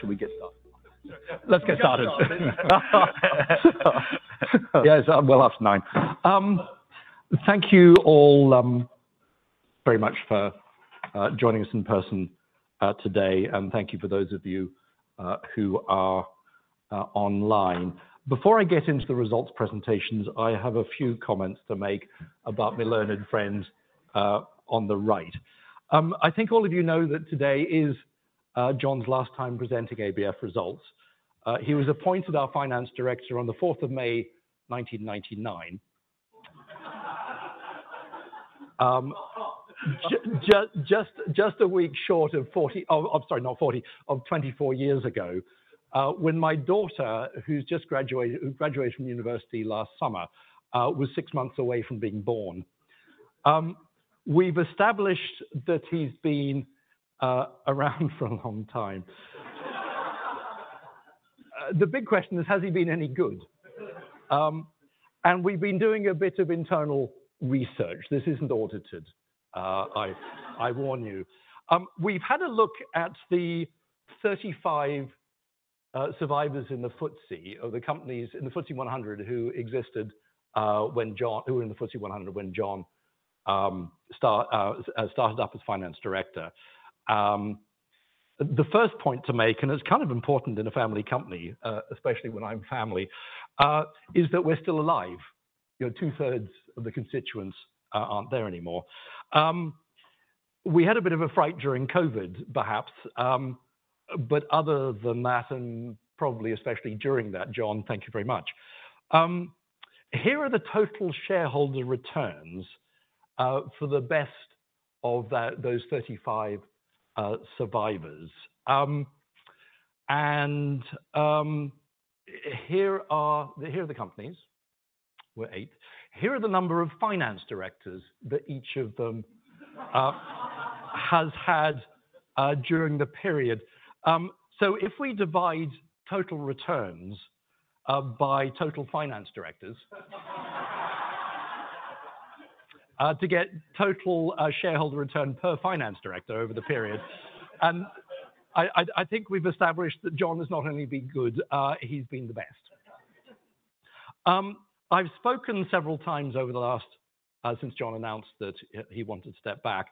Should we get started? Sure. Let's get started. Yeah, it's well after 9. Thank you all very much for joining us in person today. Thank you for those of you who are online. Before I get into the results presentations, I have a few comments to make about my learned friend on the right. I think all of you know that today is John's last time presenting ABF results. He was appointed our finance director on the 4th of May 1999. Just a week short of 40. Oh, I'm sorry, not 40, of 24 years ago, when my daughter, who just graduated from university last summer, was 6 months away from being born. We've established that he's been around for a long time. The big question is, has he been any good? We've been doing a bit of internal research. This isn't audited, I warn you. We've had a look at the 35 survivors in the FTSE, or the companies in the FTSE 100 who were in the FTSE 100 when John started up as Finance Director. The first point to make, it's kind of important in a family company, especially when I'm family, is that we're still alive. You know, two-thirds of the constituents aren't there anymore. We had a bit of a fright during COVID, perhaps, other than that, probably especially during that, John, thank you very much. Here are the total shareholder returns for the best of that, those 35 survivors. Here are the companies. We're eighth. Here are the number of finance directors that each of them has had during the period. If we divide total returns by total finance directors to get total shareholder return per finance director over the period, and I think we've established that John has not only been good, he's been the best. I've spoken several times over the last since John announced that he wanted to step back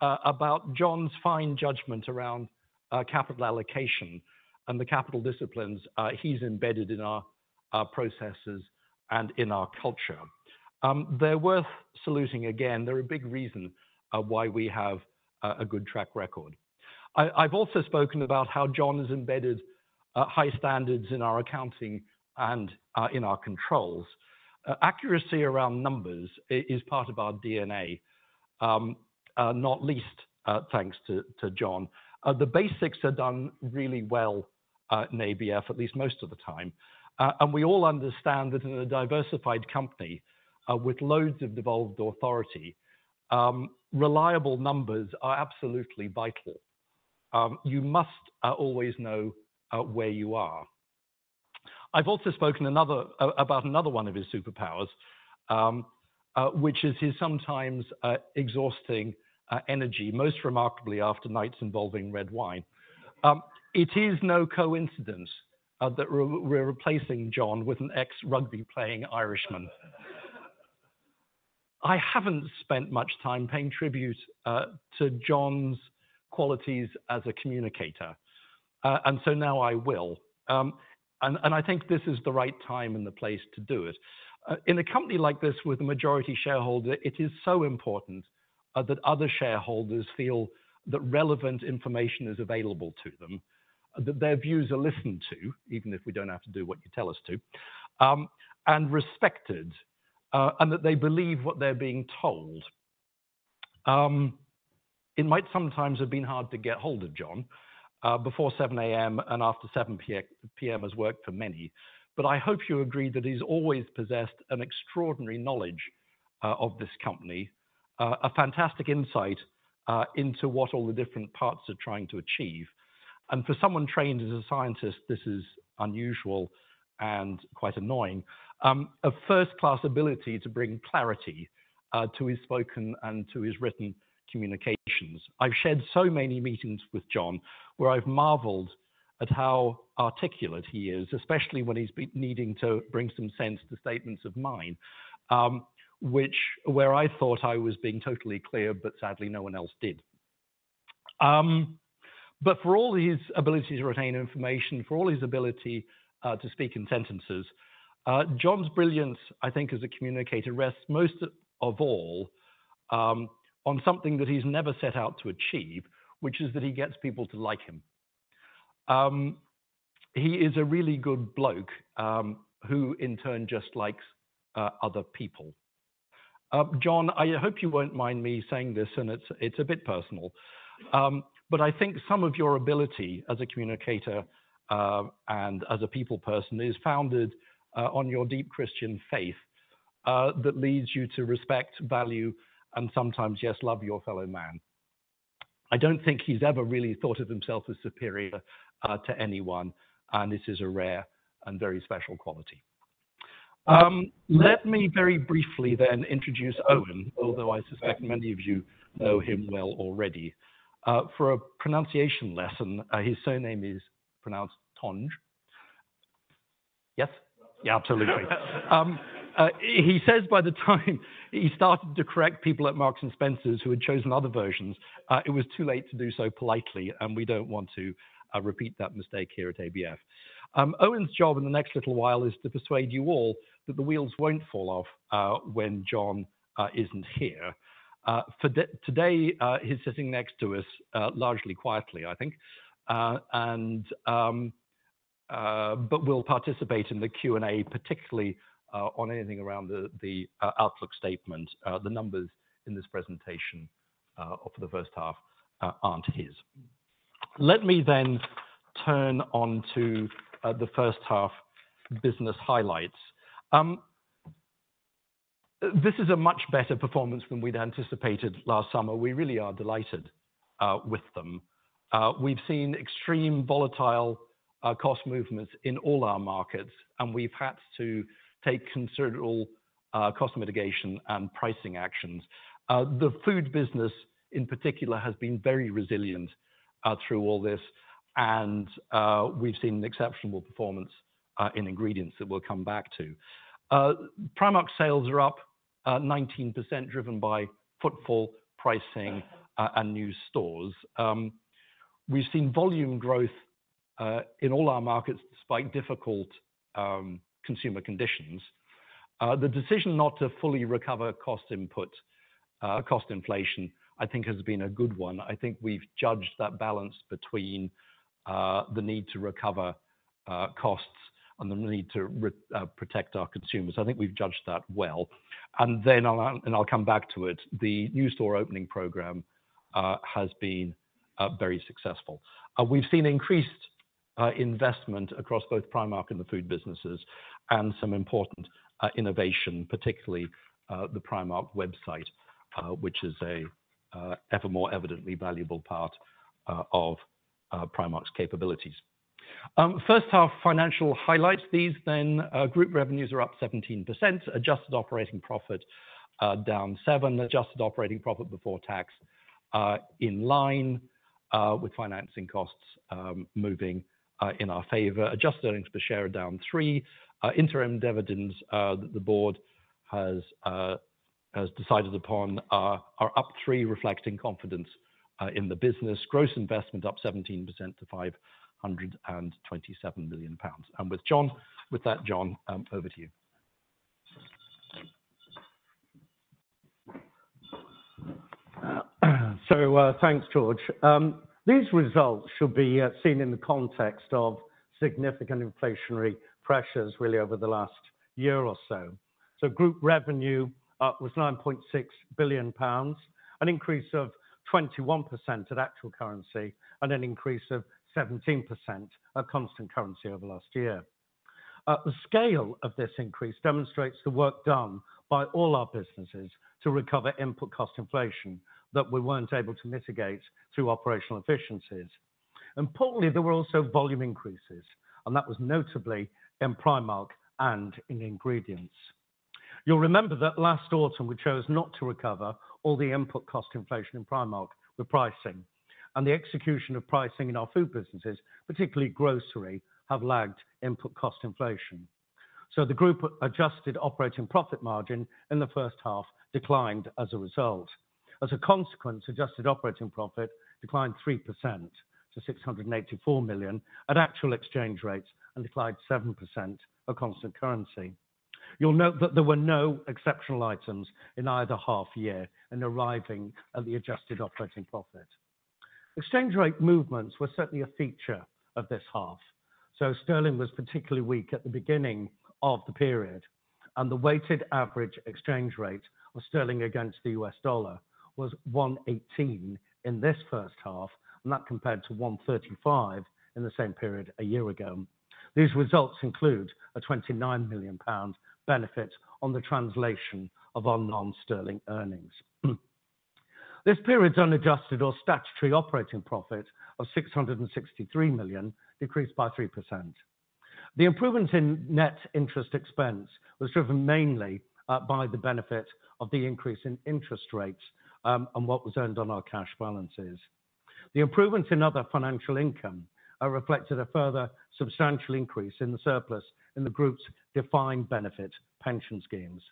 about John's fine judgment around capital allocation and the capital disciplines he's embedded in our processes and in our culture. They're worth saluting again. They're a big reason why we have a good track record. I've also spoken about how John has embedded high standards in our accounting and in our controls. Accuracy around numbers is part of our DNA, not least thanks to John. The basics are done really well in ABF, at least most of the time. We all understand that in a diversified company, with loads of devolved authority, reliable numbers are absolutely vital. You must always know where you are. I've also spoken another about another one of his superpowers, which is his sometimes exhausting energy, most remarkably after nights involving red wine. It is no coincidence that we're replacing John with an ex-rugby playing Irishman. I haven't spent much time paying tribute to John's qualities as a communicator, now I will. I think this is the right time and the place to do it. In a company like this with a majority shareholder, it is so important that other shareholders feel that relevant information is available to them, that their views are listened to, even if we don't have to do what you tell us to, and respected, and that they believe what they're being told. It might sometimes have been hard to get hold of John before 7:00 A.M. and after 7:00 P.M. has worked for many, but I hope you agree that he's always possessed an extraordinary knowledge of this company, a fantastic insight into what all the different parts are trying to achieve. For someone trained as a scientist, this is unusual and quite annoying. A first-class ability to bring clarity to his spoken and to his written communications. I've shared so many meetings with John where I've marveled at how articulate he is, especially when he's needing to bring some sense to statements of mine, which where I thought I was being totally clear, but sadly no one else did. But for all his ability to retain information, for all his ability to speak in sentences, John's brilliance, I think, as a communicator rests most of all on something that he's never set out to achieve, which is that he gets people to like him. He is a really good bloke, who in turn just likes other people. John, I hope you won't mind me saying this, it's a bit personal, I think some of your ability as a communicator, and as a people person is founded on your deep Christian faith, that leads you to respect, value, and sometimes, yes, love your fellow man. I don't think he's ever really thought of himself as superior to anyone, this is a rare and very special quality. Let me very briefly then introduce Eoin, although I suspect many of you know him well already. For a pronunciation lesson, his surname is pronounced Tonge. Yes? Yeah, absolutely. He says by the time he started to correct people at Marks & Spencer who had chosen other versions, it was too late to do so politely, and we don't want to repeat that mistake here at ABF. Eoin's job in the next little while is to persuade you all that the wheels won't fall off when John isn't here. For today, he's sitting next to us, largely quietly, I think. But will participate in the Q&A, particularly on anything around the outlook statement. The numbers in this presentation for the first half aren't his. Let me turn on to the first half business highlights. This is a much better performance than we'd anticipated last summer. We really are delighted with them. We've seen extreme volatile cost movements in all our markets, and we've had to take considerable cost mitigation and pricing actions. The food business, in particular, has been very resilient through all this, and we've seen exceptional performance in ingredients that we'll come back to. Primark sales are up 19%, driven by footfall pricing, and new stores. We've seen volume growth in all our markets despite difficult consumer conditions. The decision not to fully recover cost input, cost inflation, I think has been a good one. I think we've judged that balance between the need to recover costs and the need to protect our consumers. I think we've judged that well. I'll come back to it, the new store opening program has been very successful. We've seen increased investment across both Primark and the food businesses and some important innovation, particularly the Primark website, which is a ever more evidently valuable part of Primark's capabilities. First half financial highlights. These then, group revenues are up 17%, adjusted operating profit down 7%, adjusted operating profit before tax in line with financing costs moving in our favor. Adjusted earnings per share are down 3%. Interim dividends the board has decided upon are up 3%, reflecting confidence in the business. Gross investment up 17% to 527 million pounds. With that, John, over to you. Thanks, George. These results should be seen in the context of significant inflationary pressures really over the last year or so. Group revenue up was 9.6 billion pounds, an increase of 21% at actual currency and an increase of 17% at constant currency over last year. The scale of this increase demonstrates the work done by all our businesses to recover input cost inflation that we weren't able to mitigate through operational efficiencies. Importantly, there were also volume increases, and that was notably in Primark and in ingredients. You'll remember that last autumn, we chose not to recover all the input cost inflation in Primark with pricing. The execution of pricing in our food businesses, particularly grocery, have lagged input cost inflation. The group adjusted operating profit margin in the first half declined as a result. As a consequence, adjusted operating profit declined 3% to 684 million at actual exchange rates and declined 7% at constant currency. You'll note that there were no exceptional items in either half year in arriving at the adjusted operating profit. Exchange rate movements were certainly a feature of this half. Sterling was particularly weak at the beginning of the period, and the weighted average exchange rate of sterling against the US dollar was 1.18 in this first half, and that compared to 1.35 in the same period a year ago. These results include a 29 million pound benefit on the translation of our non-sterling earnings. This period's unadjusted or statutory operating profit of 663 million decreased by 3%. The improvement in net interest expense was driven mainly by the benefit of the increase in interest rates on what was earned on our cash balances. The improvements in other financial income reflected a further substantial increase in the surplus in the group's defined benefit pension schemes.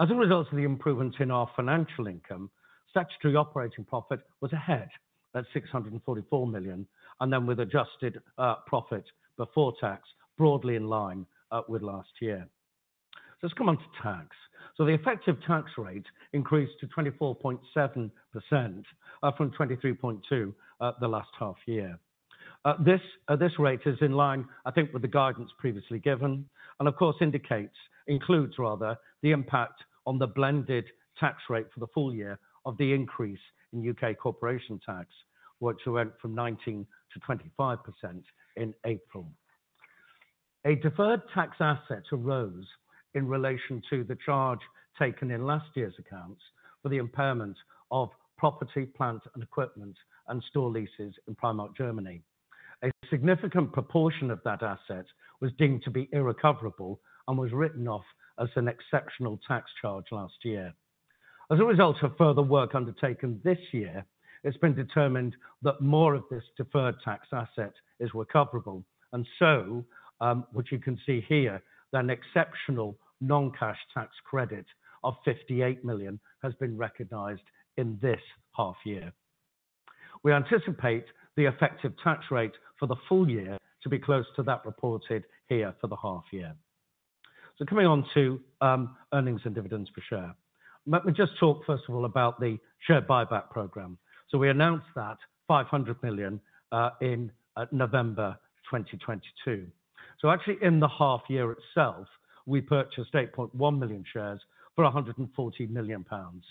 As a result of the improvements in our financial income, statutory operating profit was ahead at 644 million, and then with adjusted profit before tax, broadly in line with last year. Let's come on to tax. The effective tax rate increased to 24.7% from 23.2% the last half year. This rate is in line, I think with the guidance previously given, of course includes rather, the impact on the blended tax rate for the full year of the increase in UK corporation tax, which went from 19% to 25% in April. A deferred tax asset arose in relation to the charge taken in last year's accounts for the impairment of property, plant, and equipment and store leases in Primark Germany. A significant proportion of that asset was deemed to be irrecoverable and was written off as an exceptional tax charge last year. As a result of further work undertaken this year, it's been determined that more of this deferred tax asset is recoverable. What you can see here, an exceptional non-cash tax credit of 58 million has been recognized in this half year. We anticipate the effective tax rate for the full year to be close to that reported here for the half year. Coming on to earnings and dividends per share. Let me just talk first of all about the share buyback program. We announced that 500 million in November 2022. Actually in the half year itself, we purchased 8.1 million shares for 140 million pounds.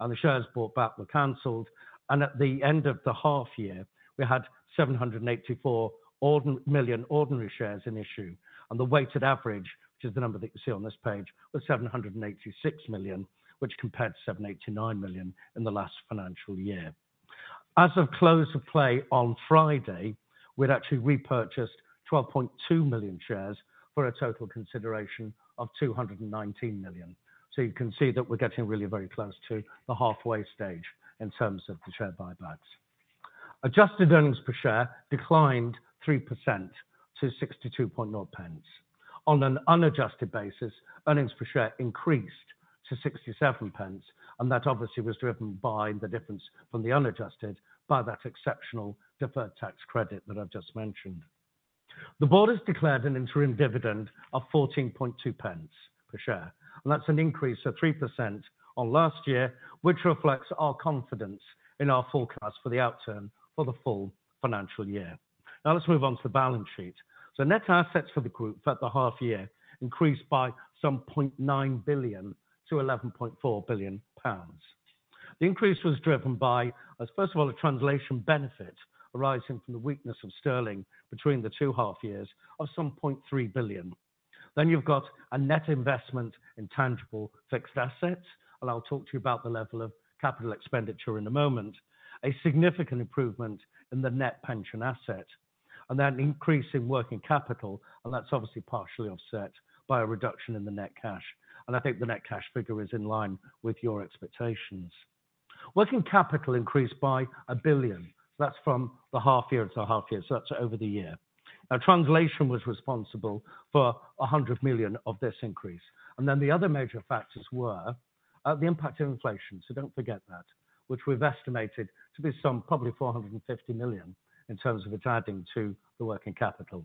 The shares bought back were canceled. At the end of the half year, we had 784 million ordinary shares in issue. The weighted average, which is the number that you see on this page, was 786 million, which compared to 789 million in the last financial year. As of close of play on Friday, we'd actually repurchased 12.2 million shares for a total consideration of 219 million. You can see that we're getting really very close to the halfway stage in terms of the share buybacks. Adjusted earnings per share declined 3% to 62.0 pence. On an unadjusted basis, earnings per share increased to 67 pence, and that obviously was driven by the difference from the unadjusted by that exceptional deferred tax credit that I've just mentioned. The board has declared an interim dividend of 14.2 pence per share, and that's an increase of 3% on last year, which reflects our confidence in our forecast for the outturn for the full financial year. Let's move on to the balance sheet. Net assets for the group at the half year increased by some 0.9 billion to 11.4 billion pounds. The increase was driven by, first of all, a translation benefit arising from the weakness of sterling between the two half years of some 0.3 billion. You've got a net investment in tangible fixed assets. I'll talk to you about the level of capital expenditure in a moment, a significant improvement in the net pension asset, an increase in working capital, that's obviously partially offset by a reduction in the net cash. I think the net cash figure is in line with your expectations. Working capital increased by 1 billion. That's from the half year to half year, so that's over the year. Translation was responsible for 100 million of this increase. The other major factors were the impact of inflation. Don't forget that, which we've estimated to be some probably 450 million in terms of adding to the working capital.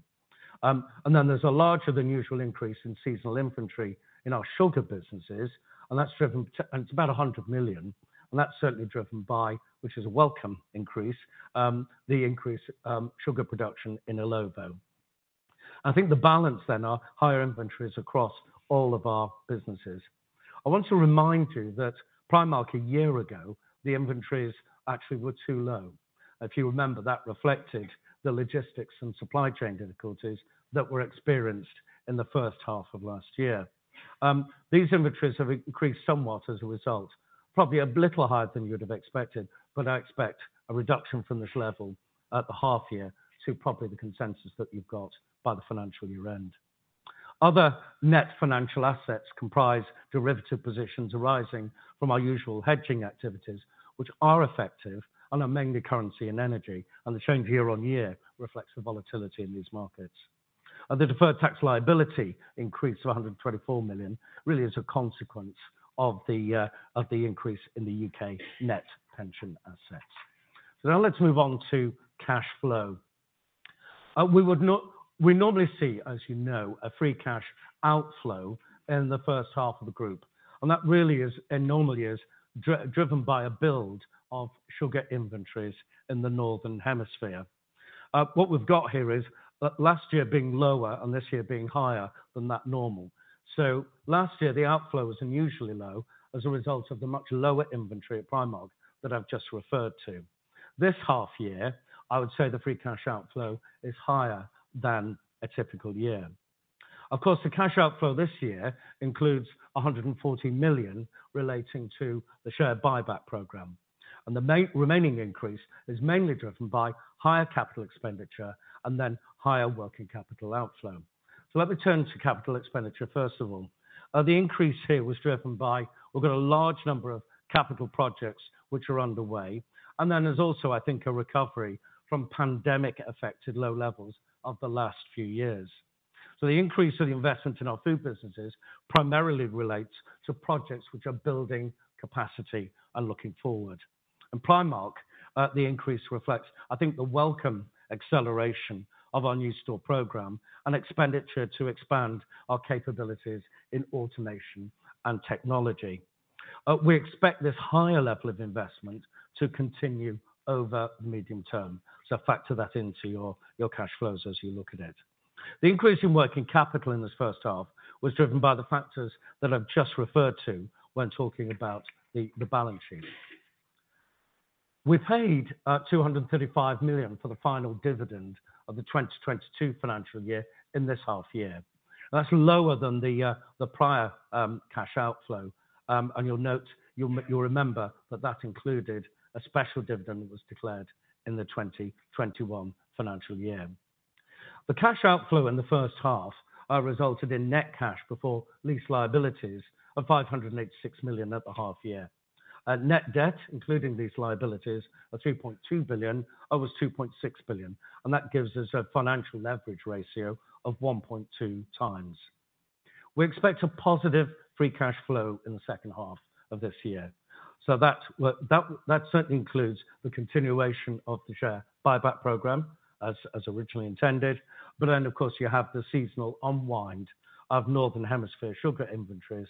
There's a larger than usual increase in seasonal inventory in our sugar businesses, and that's driven and it's about 100 million. That's certainly driven by, which is a welcome increase, the increase sugar production in Illovo. I think the balance are higher inventories across all of our businesses. I want to remind you that Primark a year ago, the inventories actually were too low. If you remember, that reflected the logistics and supply chain difficulties that were experienced in the first half of last year. These inventories have increased somewhat as a result, probably a little higher than you would have expected, but I expect a reduction from this level at the half year to probably the consensus that you've got by the financial year-end. Other net financial assets comprise derivative positions arising from our usual hedging activities, which are effective and are mainly currency and energy, and the change year on year reflects the volatility in these markets. The deferred tax liability increase to 124 million really is a consequence of the increase in the UK net pension assets. Now let's move on to cash flow. We normally see, as you know, a free cash outflow in the first half of the group. That really is and normally is driven by a build of sugar inventories in the Northern Hemisphere. What we've got here is last year being lower and this year being higher than that normal. Last year, the outflow was unusually low as a result of the much lower inventory at Primark that I've just referred to. This half year, I would say the free cash outflow is higher than a typical year. Of course, the cash outflow this year includes 140 million relating to the share buyback program. The main remaining increase is mainly driven by higher capital expenditure and higher working capital outflow. Let me turn to capital expenditure first of all. The increase here was driven by, we've got a large number of capital projects which are underway. There's also, I think, a recovery from pandemic-affected low levels of the last few years. The increase of the investment in our food businesses primarily relates to projects which are building capacity and looking forward. In Primark, the increase reflects, I think, the welcome acceleration of our new store program and expenditure to expand our capabilities in automation and technology. We expect this higher level of investment to continue over the medium term. Factor that into your cash flows as you look at it. The increase in working capital in this first half was driven by the factors that I've just referred to when talking about the balance sheet. We paid 235 million for the final dividend of the 2022 financial year in this half year. That's lower than the prior cash outflow. You'll note... You'll remember that that included a special dividend that was declared in the 2021 financial year. The cash outflow in the first half resulted in net cash before lease liabilities of 586 million at the half year. Net debt, including these liabilities of 3.2 billion, was 2.6 billion, and that gives us a financial leverage ratio of 1.2 times. We expect a positive free cash flow in the second half of this year. That certainly includes the continuation of the share buyback program as originally intended. Of course, you have the seasonal unwind of Northern Hemisphere sugar inventories,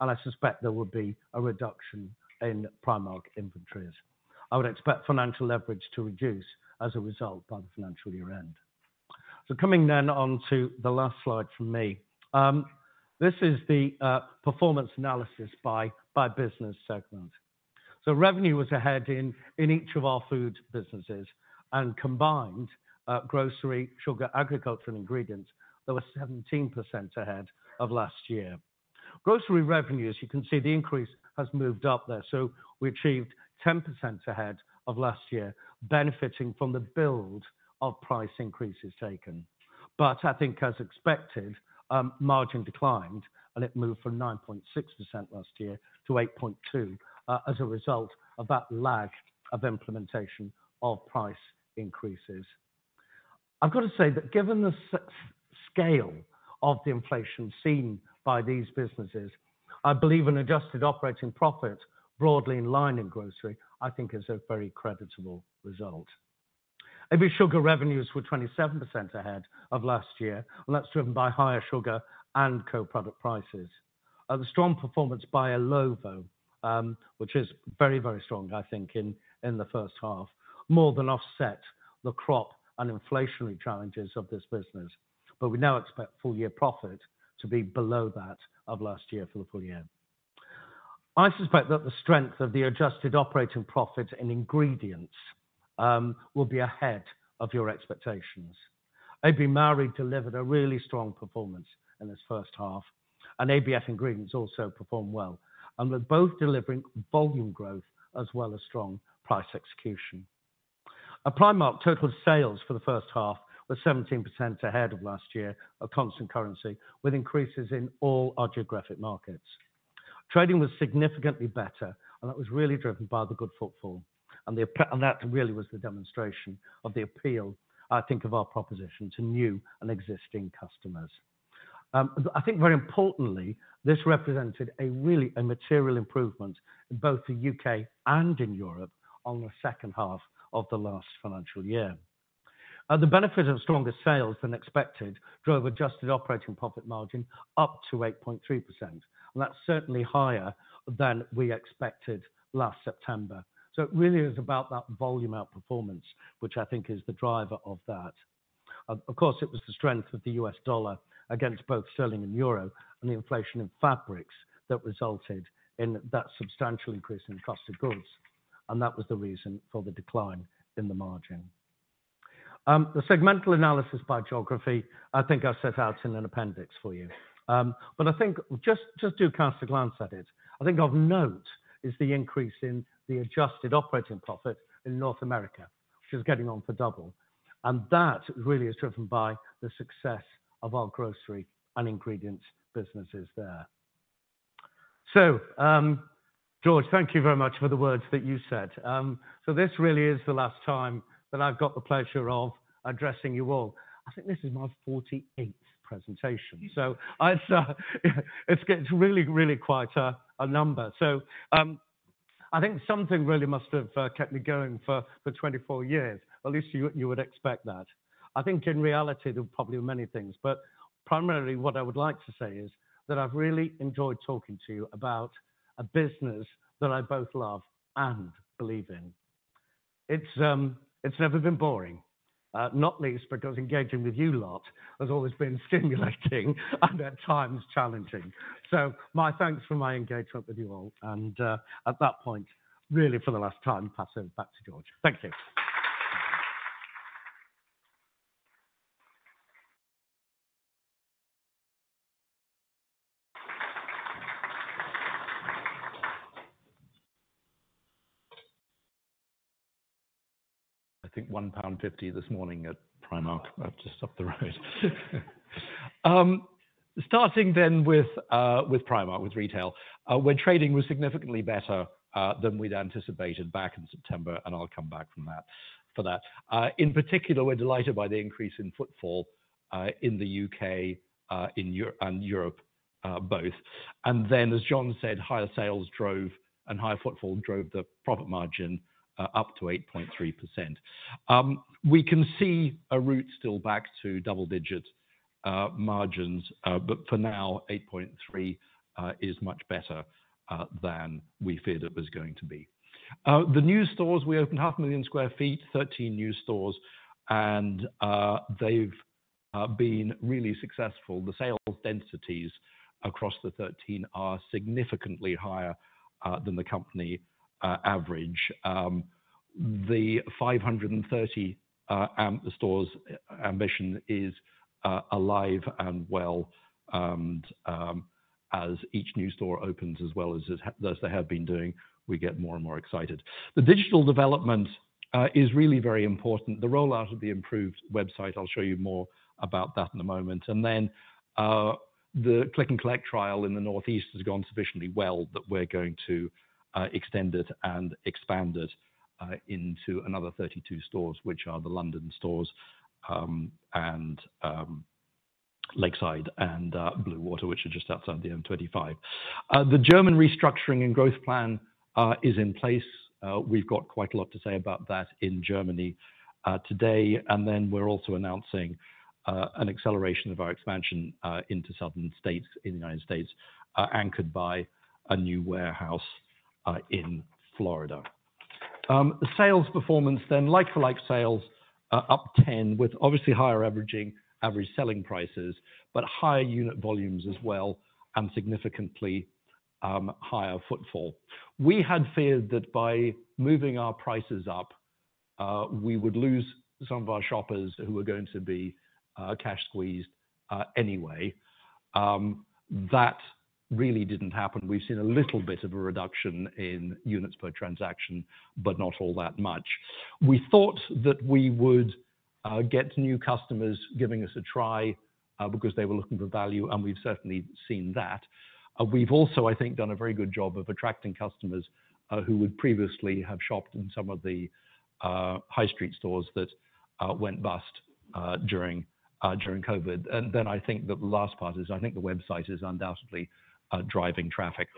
and I suspect there will be a reduction in Primark inventories. I would expect financial leverage to reduce as a result by the financial year-end. Coming then onto the last slide from me. This is the performance analysis by business segment. Revenue was ahead in each of our food businesses and combined, Grocery, Sugar, Agriculture, and Ingredients. They were 17% ahead of last year. Grocery revenues, you can see the increase has moved up there. We achieved 10% ahead of last year benefiting from the build of price increases taken. I think as expected, margin declined, and it moved from 9.6% last year to 8.2% as a result of that lag of implementation of price increases. I've got to say that given the scale of the inflation seen by these businesses, I believe an adjusted operating profit broadly in line in Grocery, I think is a very creditable result. AB Sugar revenues were 27% ahead of last year, that's driven by higher sugar and co-product prices. The strong performance by Illovo, which is very, very strong, I think, in the first half, more than offset the crop and inflationary challenges of this business. We now expect full year profit to be below that of last year for the full year. I suspect that the strength of the adjusted operating profit in ingredients will be ahead of your expectations. AB Mauri delivered a really strong performance in this first half, and ABF Ingredients also performed well. They're both delivering volume growth as well as strong price execution. At Primark, total sales for the first half were 17% ahead of last year of constant currency, with increases in all our geographic markets. Trading was significantly better, that was really driven by the good footfall. That really was the demonstration of the appeal, I think, of our proposition to new and existing customers. I think very importantly, this represented a really, a material improvement in both the UK and in Europe on the second half of the last financial year. The benefit of stronger sales than expected drove adjusted operating profit margin up to 8.3%. That's certainly higher than we expected last September. It really is about that volume outperformance, which I think is the driver of that. Of course, it was the strength of the US dollar against both sterling and euro and the inflation in fabrics that resulted in that substantial increase in cost of goods, and that was the reason for the decline in the margin. The segmental analysis by geography, I think I set out in an appendix for you. I think just do cast a glance at it. I think of note is the increase in the adjusted operating profit in North America, which is getting on for double. That really is driven by the success of our grocery and ingredients businesses there. George, thank you very much for the words that you said. This really is the last time that I've got the pleasure of addressing you all. I think this is my 48th presentation. I'd say it's really quite a number. I think something really must have kept me going for 24 years, or at least you would expect that. I think in reality, there probably are many things, but primarily what I would like to say is that I've really enjoyed talking to you about a business that I both love and believe in. It's, it's never been boring, not least because engaging with you lot has always been stimulating and at times challenging. My thanks for my engagement with you all, and at that point, really for the last time, pass over back to George. Thank you. I think 1.50 pound this morning at Primark just up the road. Starting then with Primark, with retail, where trading was significantly better than we'd anticipated back in September, and I'll come back from that, for that. In particular, we're delighted by the increase in footfall, in the UK, in and Europe, both. Then, as John said, higher sales drove and higher footfall drove the profit margin up to 8.3%. We can see a route still back to double-digit margins, but for now, 8.3 is much better than we feared it was going to be. The new stores, we opened 0.5 million sq ft, 13 new stores, and they've been really successful. The sales densities across the 13 are significantly higher than the company average. The 530 stores ambition is alive and well. As each new store opens, as well as they have been doing, we get more and more excited. The digital development is really very important. The rollout of the improved website, I'll show you more about that in a moment. Then, the Click and Collect trial in the Northeast has gone sufficiently well that we're going to extend it and expand it into another 32 stores, which are the London stores, and Lakeside and Bluewater, which are just outside the M25. The German restructuring and growth plan is in place. We've got quite a lot to say about that in Germany today. Then we're also announcing an acceleration of our expansion into southern states in the United States, anchored by a new warehouse in Florida. The sales performance then, like-for-like sales are up 10, with obviously higher average selling prices, but higher unit volumes as well and significantly higher footfall. We had feared that by moving our prices up, we would lose some of our shoppers who are going to be cash squeezed anyway. That really didn't happen. We've seen a little bit of a reduction in units per transaction, but not all that much. We thought that we would get new customers giving us a try because they were looking for value, and we've certainly seen that. We've also, I think, done a very good job of attracting customers who would previously have shopped in some of the high street stores that went bust during COVID. I think that the last part is, I think the website is undoubtedly driving traffic.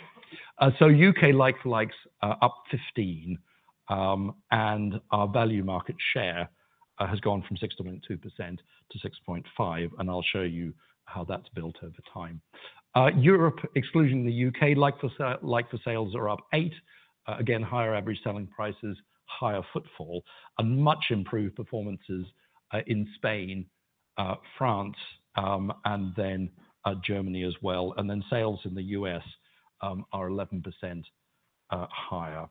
UK like-for-likes are up 15, and our value market share has gone from 6.2% to 6.5, and I'll show you how that's built over time. Europe, excluding the UK, like-for-sales are up 8. Again, higher average selling prices, higher footfall, and much improved performances in Spain, France, and then Germany as well. Sales in the US are 11% higher.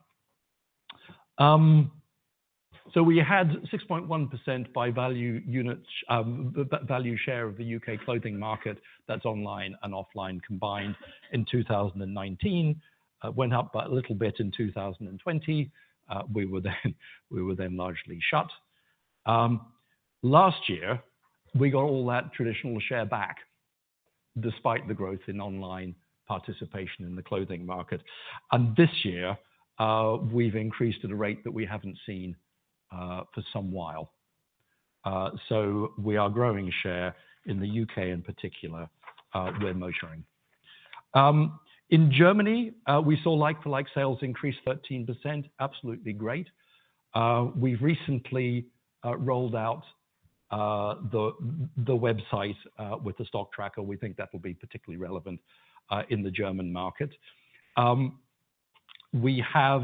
We had 6.1% by value units, value share of the UK clothing market. That's online and offline combined in 2019. Went up by a little bit in 2020. We were then largely shut. Last year, we got all that traditional share back despite the growth in online participation in the clothing market. This year, we've increased at a rate that we haven't seen for some while. We are growing share in the U.K. in particular, we're motoring. In Germany, we saw like-for-like sales increase 13%. Absolutely great. We've recently rolled out the website with the stock tracker. We think that will be particularly relevant in the German market. We have,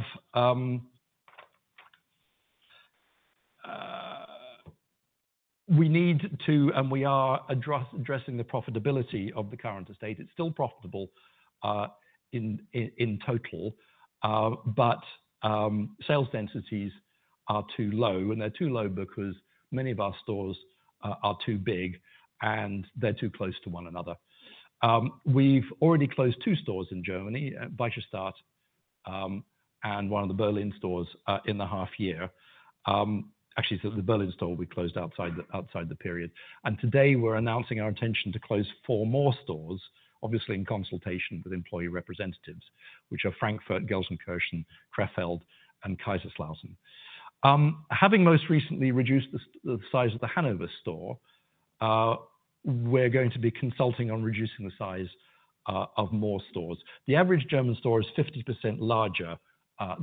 we need to, and we are addressing the profitability of the current estate. It's still profitable in total, but sales densities are too low, and they're too low because many of our stores are too big, and they're too close to one another. We've already closed two stores in Germany, Gelsenkirchen, and one of the Berlin stores in the half year. Actually, the Berlin store will be closed outside the period. Today, we're announcing our intention to close four more stores, obviously in consultation with employee representatives, which are Frankfurt, Gelsenkirchen, Krefeld, and Kaiserslautern. Having most recently reduced the size of the Hanover store, we're going to be consulting on reducing the size of more stores. The average German store is 50% larger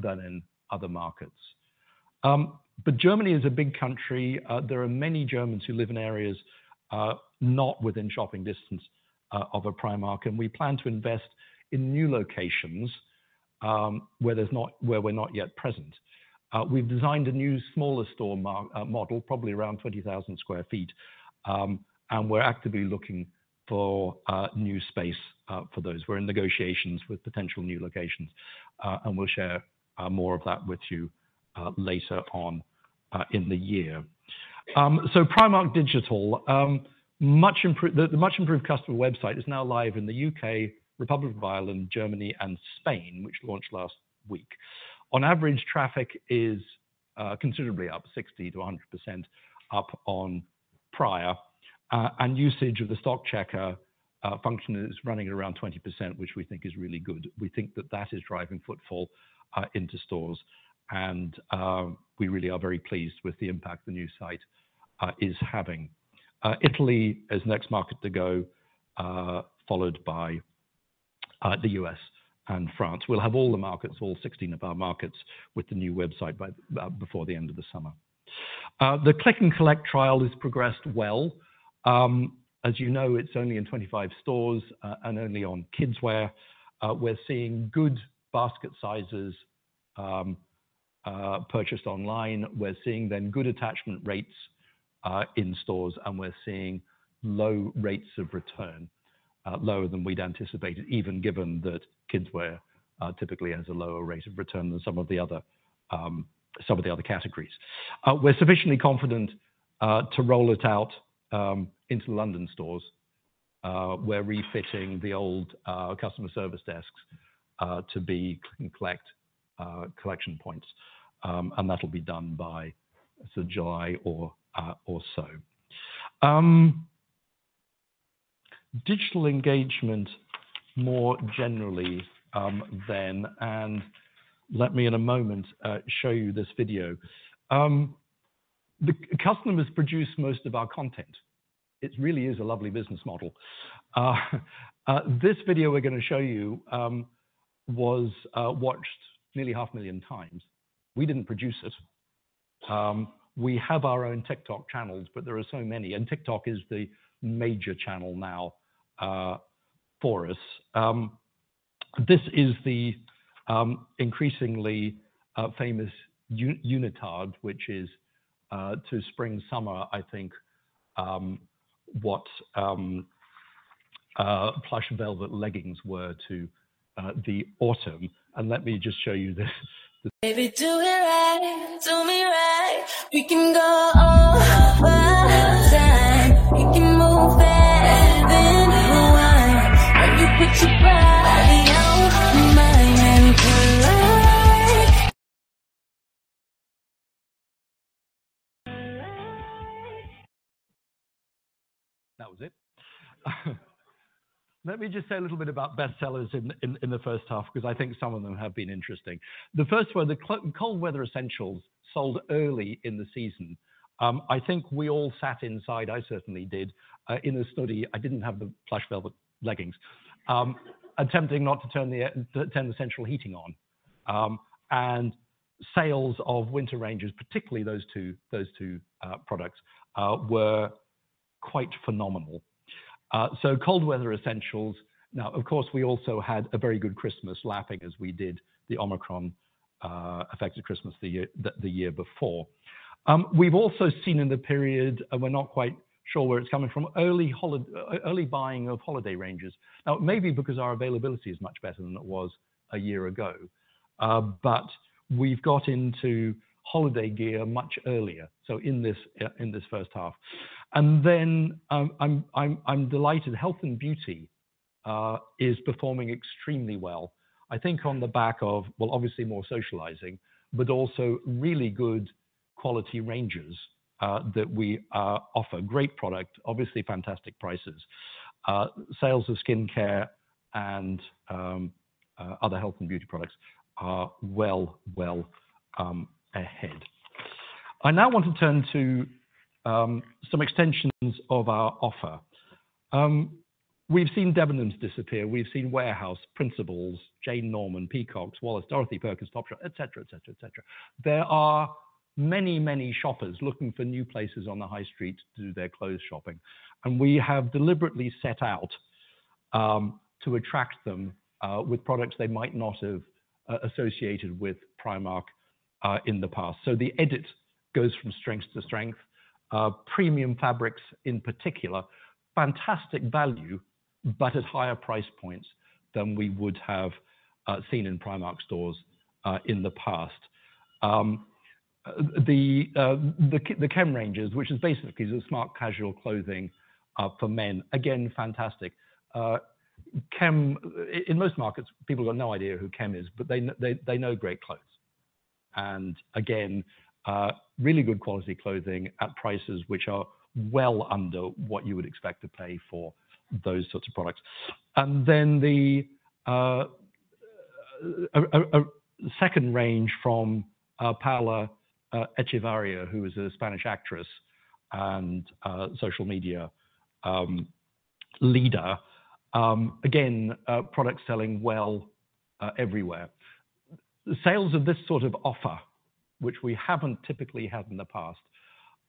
than in other markets. Germany is a big country. There are many Germans who live in areas not within shopping distance of a Primark, and we plan to invest in new locations where we're not yet present. We've designed a new smaller store model, probably around 20,000 sq ft, and we're actively looking for new space for those. We're in negotiations with potential new locations, and we'll share more of that with you later on in the year. Primark Digital, the much-improved customer website is now live in the UK, Republic of Ireland, Germany, and Spain, which launched last week. On average, traffic is considerably up 60%-100% up on prior. And usage of the stock checker function is running around 20%, which we think is really good. We think that that is driving footfall into stores, and we really are very pleased with the impact the new site is having. Italy is next market to go, followed by the U.S. and France. We'll have all the markets, all 16 of our markets with the new website before the end of the summer. The Click and Collect trial has progressed well. As you know, it's only in 25 stores and only on kidswear. We're seeing good basket sizes purchased online. We're seeing then good attachment rates in stores, and we're seeing low rates of return, lower than we'd anticipated, even given that kidswear typically has a lower rate of return than some of the other, some of the other categories. We're sufficiently confident to roll it out into London stores, we're refitting the old customer service desks to be Click and Collect collection points. That'll be done by July or so. Digital engagement more generally, let me in a moment show you this video. The customers produce most of our content. It really is a lovely business model. This video we're gonna show you was watched nearly 500,000 times. We didn't produce it. We have our own TikTok channels, but there are so many, and TikTok is the major channel now for us. This is the increasingly famous Snuddie, which is to spring summer, I think, what Velvet Plush Leggings were to the autumn, let me just show you this. Baby, do it right. Do me right. We can go all the time. We can move fast then rewind. When you put your body on mine, I come alive. Alive. That was it. Let me just say a little bit about bestsellers in, in the first half because I think some of them have been interesting. The first were the cold weather essentials sold early in the season. I think we all sat inside, I certainly did, in the study. I didn't have the Velvet Plush Leggings, attempting not to turn the central heating on. Sales of winter ranges, particularly those two, those two products, were quite phenomenal. Cold weather essentials. Now, of course, we also had a very good Christmas lapping as we did the Omicron affected Christmas the year before. We've also seen in the period, and we're not quite sure where it's coming from, early buying of holiday ranges. Now it may be because our availability is much better than it was a year ago, but we've got into holiday gear much earlier, in this first half. I'm delighted health and beauty is performing extremely well. I think on the back of, well, obviously more socializing, but also really good quality ranges that we offer. Great product, obviously fantastic prices. Sales of skincare and other health and beauty products are well ahead. I now want to turn to some extensions of our offer. We've seen Debenhams disappear. We've seen Warehouse, Principles, Jane Norman, Peacocks, Wallis, Dorothy Perkins, Topshop, et cetera, et cetera, et cetera. There are many shoppers looking for new places on the high street to do their clothes shopping. We have deliberately set out to attract them with products they might not have associated with Primark in the past. The Edit goes from strength to strength. Premium fabrics in particular, fantastic value, but at higher price points than we would have seen in Primark stores in the past. The Kem ranges, which is basically the smart casual clothing for men, again, fantastic. Kem. In most markets, people got no idea who Kem is, but they know great clothes. Really good quality clothing at prices which are well under what you would expect to pay for those sorts of products. Then the second range from Paula Echevarría, who is a Spanish actress and social media leader. Again, products selling well everywhere. Sales of this sort of offer, which we haven't typically had in the past,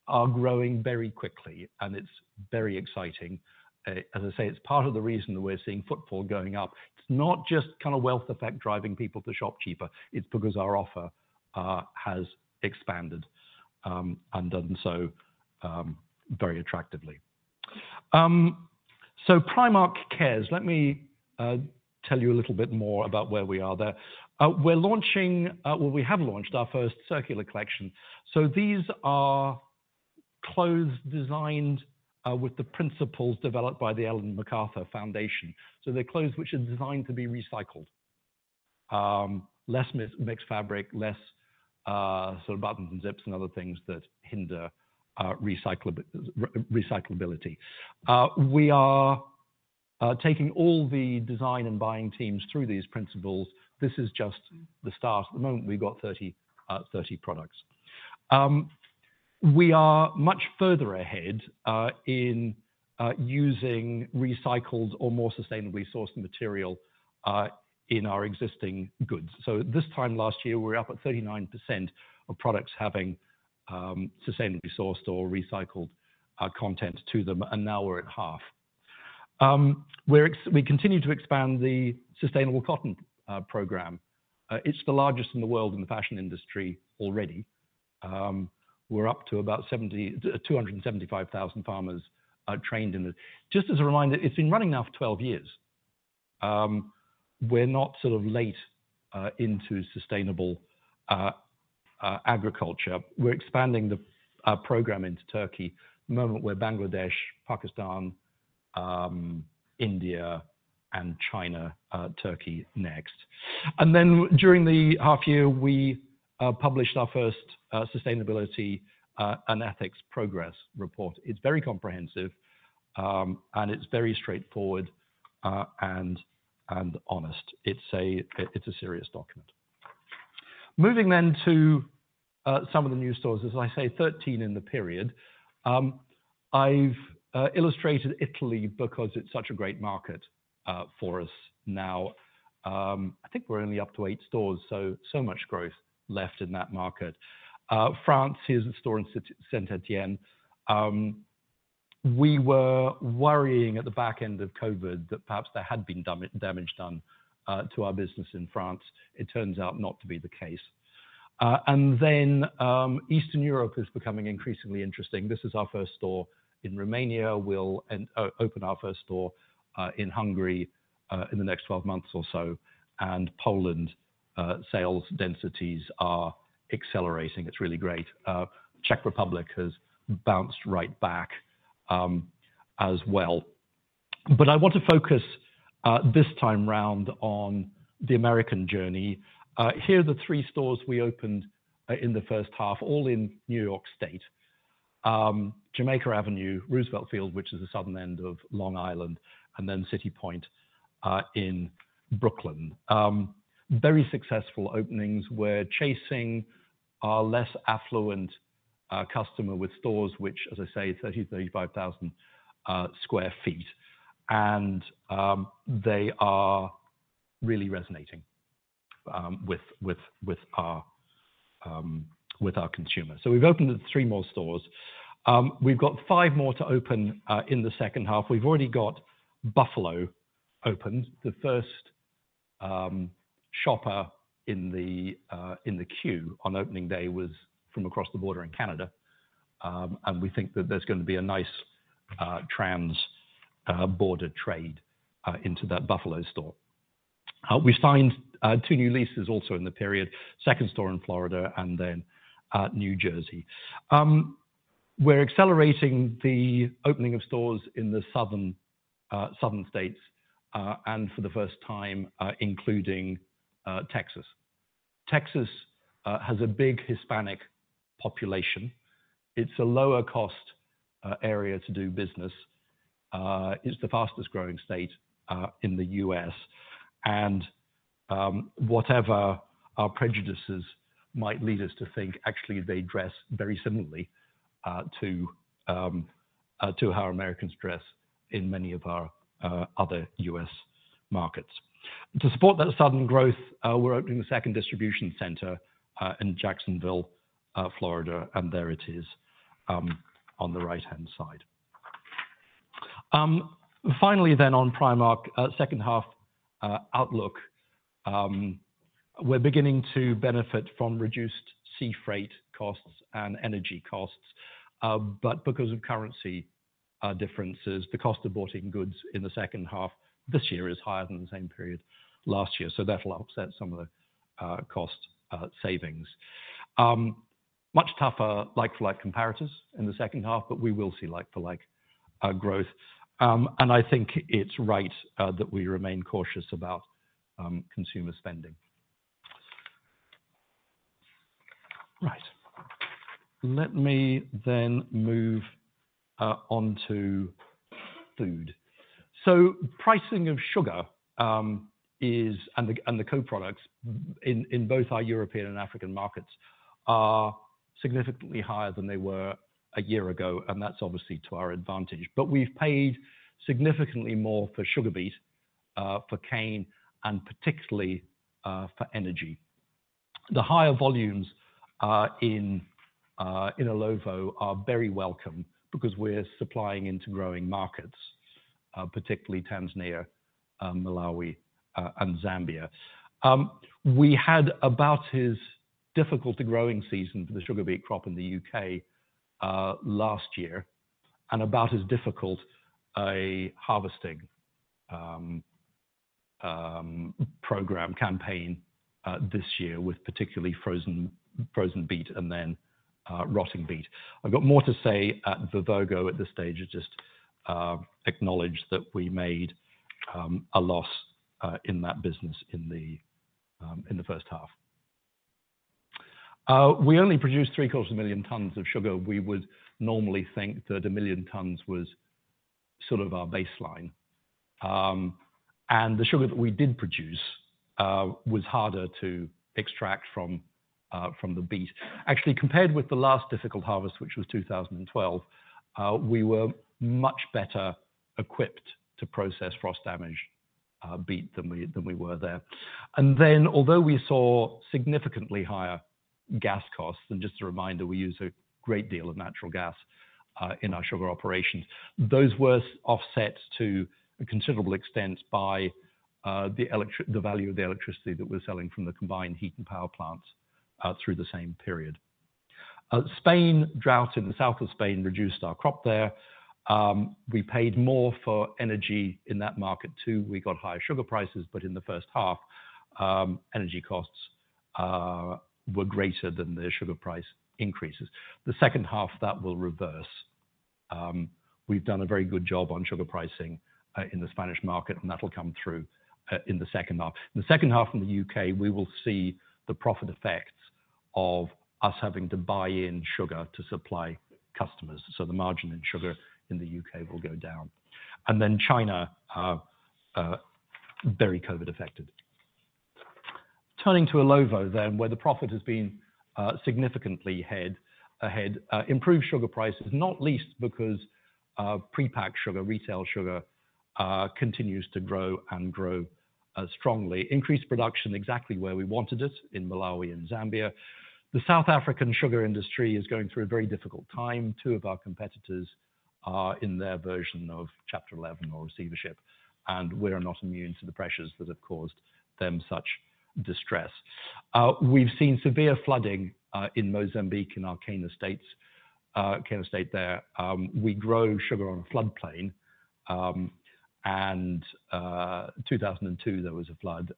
are growing very quickly, and it's very exciting. As I say, it's part of the reason that we're seeing footfall going up. It's not just kind of wealth effect driving people to shop cheaper. It's because our offer has expanded and done so very attractively. Primark Cares, let me tell you a little bit more about where we are there. We're launching, well, we have launched our first circular collection. These are clothes designed with the principles developed by the Ellen MacArthur Foundation. They're clothes which are designed to be recycled. Less mixed fabric, less sort of buttons and zips and other things that hinder recyclability. We are taking all the design and buying teams through these principles. This is just the start. At the moment, we've got 30 products. We are much further ahead in using recycled or more sustainably sourced material in our existing goods. This time last year, we were up at 39% of products having sustainably sourced or recycled content to them, and now we're at half. We continue to expand the sustainable cotton program. It's the largest in the world in the fashion industry already. We're up to about 275,000 farmers trained in it. Just as a reminder, it's been running now for 12 years. We're not sort of late into sustainable agriculture. We're expanding our program into Turkey. At the moment we're Bangladesh, Pakistan, India and China, Turkey next. During the half year, we published our first sustainability and ethics progress report. It's very comprehensive, and it's very straightforward, and honest. It's a serious document. Moving to some of the new stores, as I say, 13 in the period. I've illustrated Italy because it's such a great market for us now. I think we're only up to eight stores, so so much growth left in that market. France, here's a store in Saint-Étienne. We were worrying at the back end of COVID that perhaps there had been damage done to our business in France. It turns out not to be the case. Eastern Europe is becoming increasingly interesting. This is our first store in Romania. We'll open our first store in Hungary in the next 12 months or so. Poland, sales densities are accelerating. It's really great. Czech Republic has bounced right back as well. I want to focus this time round on the American journey. Here are the three stores we opened in the first half, all in New York State. Jamaica Avenue, Roosevelt Field, which is the southern end of Long Island, and then City Point in Brooklyn. Very successful openings. We're chasing our less affluent customer with stores which, as I say, 30,000-35,000 sq ft. They are really resonating with our consumers. We've opened 3 more stores. We've got 5 more to open in the second half. We've already got Buffalo opened. The first shopper in the queue on opening day was from across the border in Canada, and we think that there's going to be a nice trans border trade into that Buffalo store. We signed 2 new leases also in the period, second store in Florida and then New Jersey. We're accelerating the opening of stores in the southern states and for the first time, including Texas. Texas has a big Hispanic population. It's a lower cost area to do business. It's the fastest growing state in the U.S. Whatever our prejudices might lead us to think, actually, they dress very similarly to how Americans dress in many of our other U.S. markets. To support that sudden growth, we're opening a second distribution center in Jacksonville, Florida, and there it is on the right-hand side. Finally, on Primark second half outlook. We're beginning to benefit from reduced sea freight costs and energy costs because of currency differences, the cost of boughten goods in the second half this year is higher than the same period last year. That'll offset some of the cost savings. Much tougher like-for-like comparators in the second half, but we will see like-for-like growth. I think it's right that we remain cautious about consumer spending. Right. Let me then move onto food. Pricing of sugar is and the co-products in both our European and African markets are significantly higher than they were a year ago, and that's obviously to our advantage. We've paid significantly more for sugar beet, for cane, and particularly for energy. The higher volumes in Illovo are very welcome because we're supplying into growing markets, particularly Tanzania, Malawi, and Zambia. We had about as difficult a growing season for the sugar beet crop in the UK last year and about as difficult a harvesting program campaign this year with particularly frozen beet and then rotting beet. I've got more to say at Vivergo at this stage and just acknowledge that we made a loss in that business in the first half. We only produced 750,000 tons of sugar. We would normally think that 1,000,000 tons was sort of our baseline. The sugar that we did produce was harder to extract from the beet. Actually, compared with the last difficult harvest, which was 2012, we were much better equipped to process frost-damaged beet than we were there. Although we saw significantly higher gas costs, and just a reminder, we use a great deal of natural gas in our sugar operations, those were offsets to a considerable extent by the value of the electricity that we're selling from the combined heat and power plants through the same period. Spain, drought in the south of Spain reduced our crop there. We paid more for energy in that market too. In the first half, energy costs were greater than the sugar price increases. The second half, that will reverse. We've done a very good job on sugar pricing in the Spanish market, that'll come through in the second half. In the second half in the UK, we will see the profit effects of us having to buy in sugar to supply customers. The margin in sugar in the UK will go down. China, very COVID affected. Turning to Illovo, where the profit has been significantly ahead. Improved sugar prices, not least because prepacked sugar, retail sugar, continues to grow and grow strongly. Increased production exactly where we wanted it in Malawi and Zambia. The South African sugar industry is going through a very difficult time. Two of our competitors are in their version of Chapter Eleven or receivership. We're not immune to the pressures that have caused them such distress. We've seen severe flooding in Mozambique, in our cane estates, cane estate there. We grow sugar on a floodplain, and 2002, there was a flood.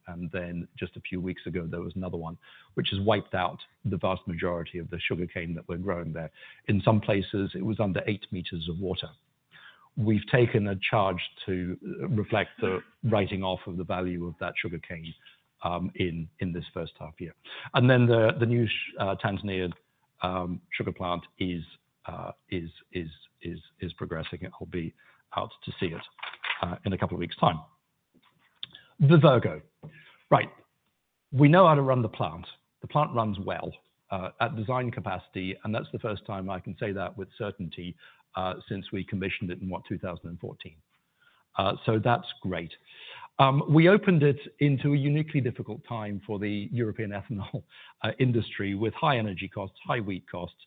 Just a few weeks ago, there was another one, which has wiped out the vast majority of the sugarcane that we're growing there. In some places, it was under 8 meters of water. We've taken a charge to reflect the writing off of the value of that sugarcane, in this first half year. The new Tanzania sugar plant is progressing. It will be out to sea it, in a couple of weeks' time. Vivergo. Right. We know how to run the plant. The plant runs well, at design capacity, and that's the first time I can say that with certainty, since we commissioned it in what? 2014. So that's great. We opened it into a uniquely difficult time for the European ethanol industry with high energy costs, high wheat costs,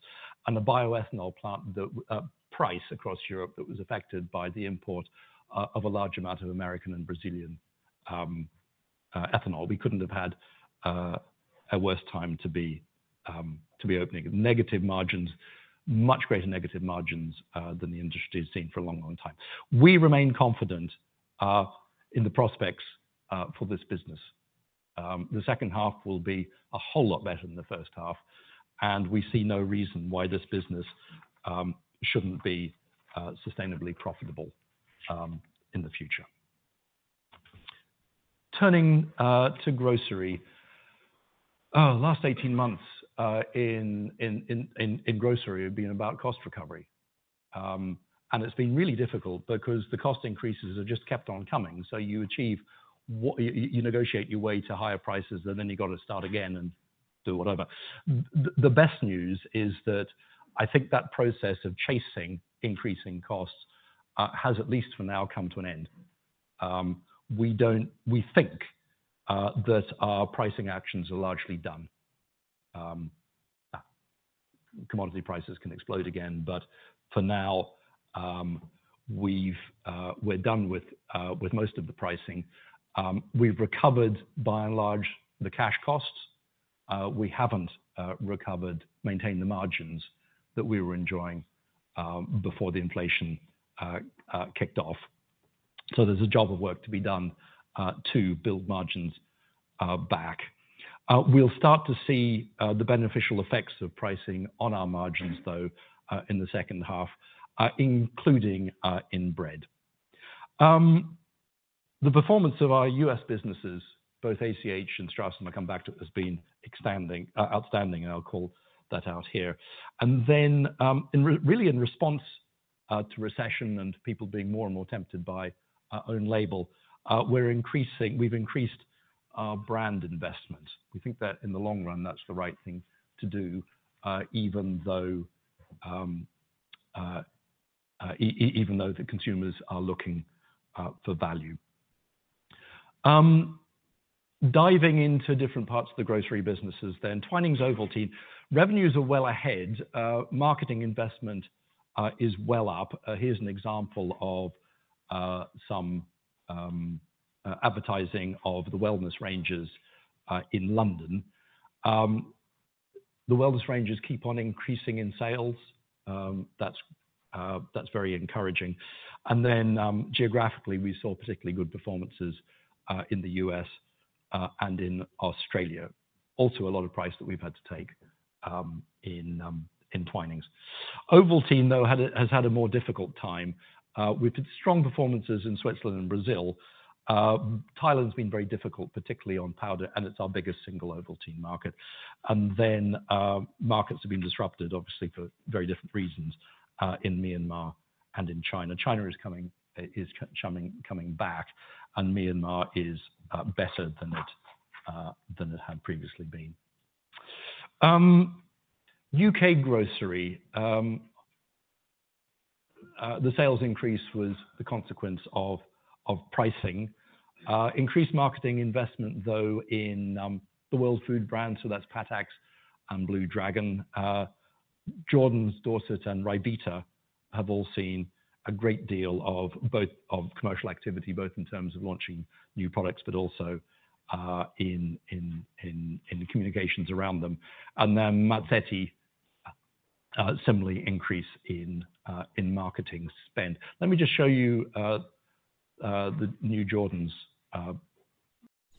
and a bioethanol plant price across Europe that was affected by the import of a large amount of American and Brazilian ethanol. We couldn't have had a worse time to be opening. Negative margins, much greater negative margins than the industry has seen for a long, long time. We remain confident in the prospects for this business. The second half will be a whole lot better than the first half, we see no reason why this business shouldn't be sustainably profitable in the future. Turning to grocery. Last 18 months in grocery have been about cost recovery. It's been really difficult because the cost increases have just kept on coming. You achieve what you negotiate your way to higher prices, and then you've got to start again and do whatever. The best news is that I think that process of chasing increasing costs has at least for now come to an end. We think that our pricing actions are largely done. Commodity prices can explode again, but for now, we're done with most of the pricing. We've recovered by and large the cash costs. We haven't recovered, maintained the margins that we were enjoying before the inflation kicked off. There's a job of work to be done to build margins back. We'll start to see the beneficial effects of pricing on our margins, though, in the second half, including in bread. The performance of our U.S. businesses, both ACH and Stratas, and I'll come back to it, has been outstanding, and I'll call that out here. Really in response to recession and to people being more and more tempted by our own label, we've increased our brand investment. We think that in the long run, that's the right thing to do, even though the consumers are looking for value. Diving into different parts of the grocery businesses then. Twinings, Ovaltine. Revenues are well ahead. Marketing investment is well up. Here's an example of some advertising of the wellness ranges in London. The wellness ranges keep on increasing in sales. That's very encouraging. Geographically, we saw particularly good performances in the US and in Australia. Also, a lot of price that we've had to take in Twinings. Ovaltine, though, has had a more difficult time. We've had strong performances in Switzerland and Brazil. Thailand's been very difficult, particularly on powder, and it's our biggest single Ovaltine market. Markets have been disrupted, obviously for very different reasons, in Myanmar and in China. China is coming back, and Myanmar is better than it than it had previously been. UK grocery, the sales increase was the consequence of pricing. Increased marketing investment, though, in the AB World Foods brand, so that's Patak's and Blue Dragon. Jordans, Dorset, and Ryvita have all seen a great deal of commercial activity, both in terms of launching new products, but also in communications around them. Mazzetti similarly increase in marketing spend. Let me just show you the new Jordans.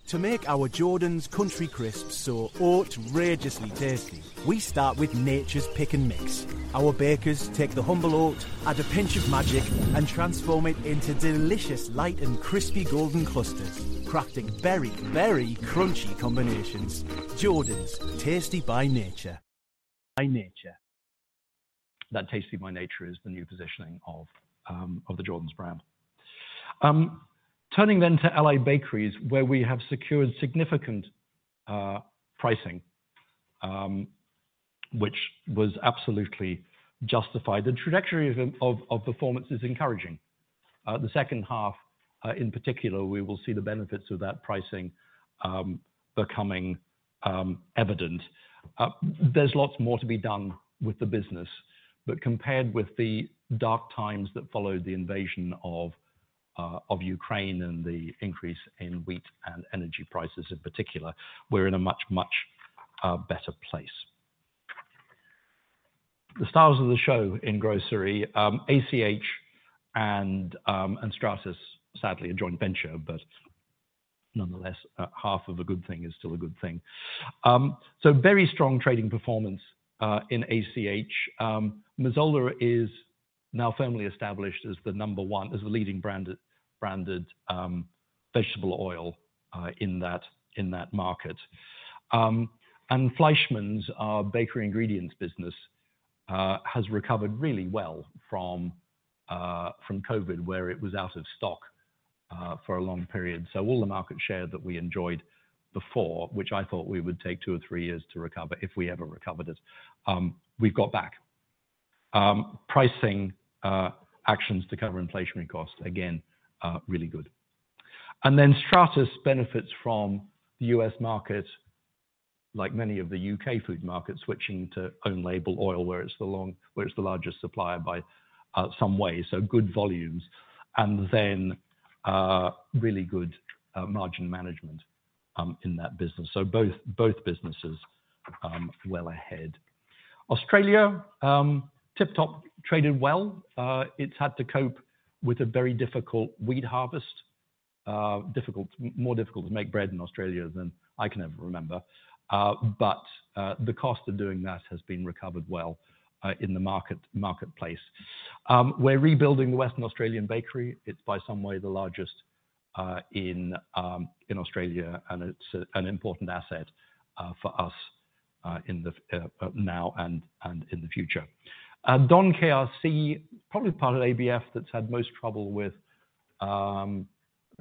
To make our Jordans Country Crisp so outrageously tasty, we start with nature's pick and mix. Our bakers take the humble oat, add a pinch of magic, and transform it into delicious light and crispy golden clusters, crafting very, very crunchy combinations. Jordans, tasty by nature. By nature. That tasty by nature is the new positioning of the Jordans brand. Turning then to Allied Bakeries, where we have secured significant pricing, which was absolutely justified. The trajectory of performance is encouraging. The second half, in particular, we will see the benefits of that pricing becoming evident. There's lots more to be done with the business. Compared with the dark times that followed the invasion of Ukraine and the increase in wheat and energy prices in particular, we're in a much, much better place. The stars of the show in grocery, ACH and Stratas, sadly a joint venture, but nonetheless, half of a good thing is still a good thing. Very strong trading performance in ACH. Mazola is now firmly established as the number 1, as the leading branded vegetable oil in that market. Fleischmann's, our bakery ingredients business, has recovered really well from COVID, where it was out of stock for a long period. All the market share that we enjoyed before, which I thought we would take 2 or 3 years to recover if we ever recovered it, we've got back. Pricing actions to cover inflationary costs, again, really good. Stratas benefits from the US market, like many of the UK food markets, switching to own label oil, where it's the largest supplier by some way. Good volumes. Really good margin management in that business. Both businesses well ahead. Australia, Tip Top traded well. It's had to cope with a very difficult wheat harvest. Difficult, more difficult to make bread in Australia than I can ever remember. The cost of doing that has been recovered well in the market, marketplace. We're rebuilding the Western Australian bakery. It's by some way the largest in Australia, and it's an important asset for us in the now and in the future. Don KRC, probably part of ABF that's had most trouble with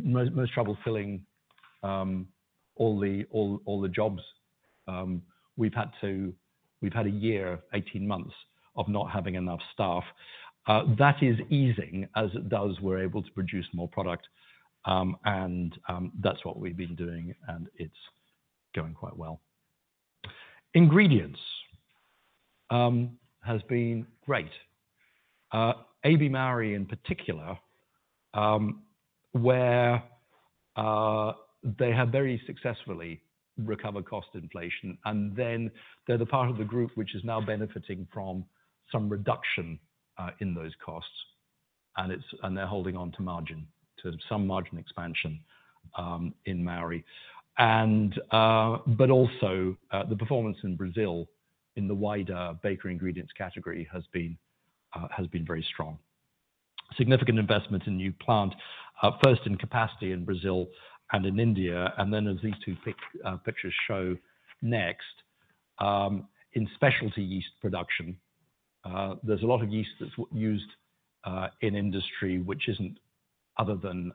most trouble filling all the jobs. We've had a year, 18 months of not having enough staff. That is easing as it does, we're able to produce more product. That's what we've been doing, and it's going quite well. Ingredients has been great. AB Mauri in particular, where they have very successfully recovered cost inflation. They're the part of the group which is now benefiting from some reduction in those costs. They're holding on to margin, to some margin expansion in Mauri. The performance in Brazil in the wider bakery ingredients category has been very strong. Significant investment in new plant, first in capacity in Brazil and in India. As these two pictures show next, in specialty yeast production, there's a lot of yeast that's used in industry which isn't other than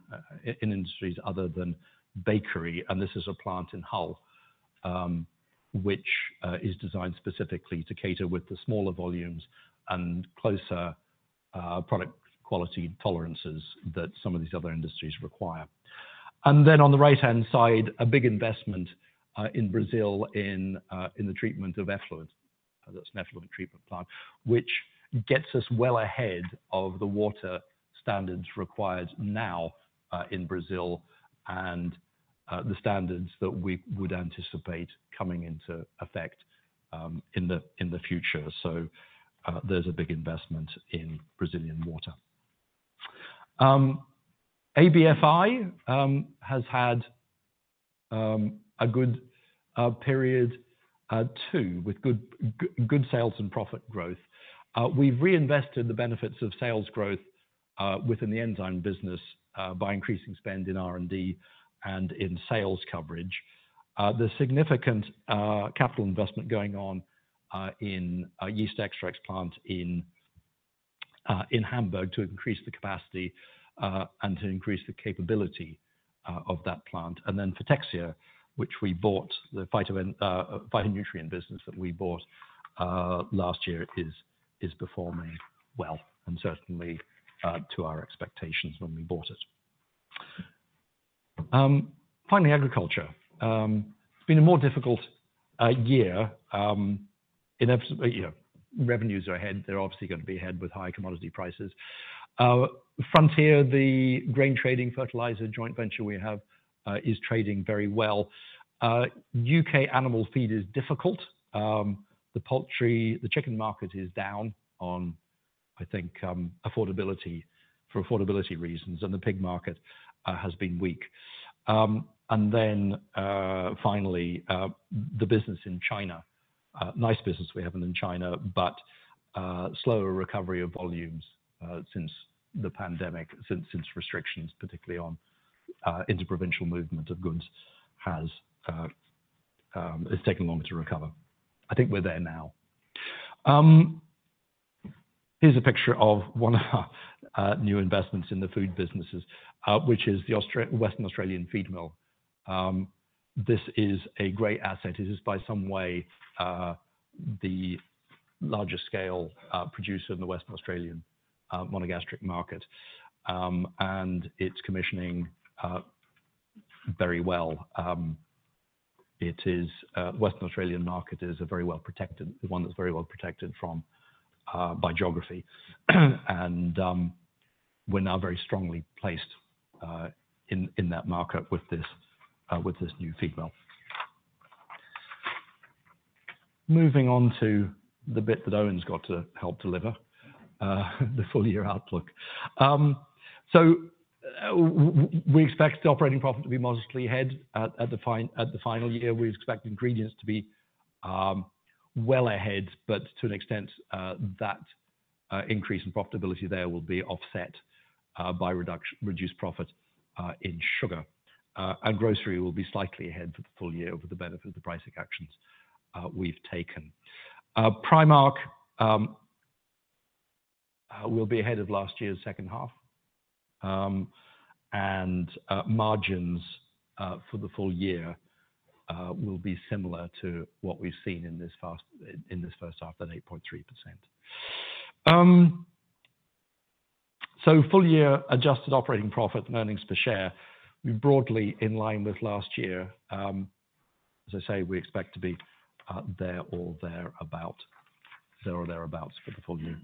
in industries other than bakery. This is a plant in Hull, which is designed specifically to cater with the smaller volumes and closer product quality tolerances that some of these other industries require. On the right-hand side, a big investment in Brazil in the treatment of effluent. That's an effluent treatment plant, which gets us well ahead of the water standards required now in Brazil and the standards that we would anticipate coming into effect in the future. There's a big investment in Brazilian water. ABFI has had a good period too, with good sales and profit growth. We've reinvested the benefits of sales growth within the enzyme business by increasing spend in R&D and in sales coverage. There's significant capital investment going on in a yeast extracts plant in Hamburg to increase the capacity and to increase the capability of that plant. Fytexia, which we bought, the phytonutrient business that we bought last year is performing well and certainly to our expectations when we bought it. Finally, agriculture. It's been a more difficult year, in absolute, you know, revenues are ahead. They're obviously gonna be ahead with high commodity prices. Frontier, the grain trading fertilizer joint venture we have, is trading very well. UK animal feed is difficult. The poultry, the chicken market is down on, I think, affordability for affordability reasons, and the pig market has been weak. Finally, the business in China. Nice business we have in China, slower recovery of volumes since the pandemic, since restrictions, particularly on inter-provincial movement of goods has is taking longer to recover. I think we're there now. Here's a picture of one of our new investments in the food businesses, which is the Western Australian feed mill. This is a great asset. It is by some way, the largest scale producer in the West Australian monogastric market. It's commissioning very well. It is Western Australian market is a very well protected, one that's very well protected from by geography. We're now very strongly placed in that market with this new feed mill. Moving on to the bit that Eoin's got to help deliver the full year outlook. We expect the operating profit to be modestly ahead at the final year. We expect ingredients to be well ahead, but to an extent that increase in profitability there will be offset by reduced profit in sugar. Grocery will be slightly ahead for the full year over the benefit of the pricing actions we've taken. Primark will be ahead of last year's second half. Margins for the full year will be similar to what we've seen in this first half, at 8.3%. Full year Adjusted Operating Profit and Earnings Per Share were broadly in line with last year. As I say, we expect to be there or thereabouts for the full year.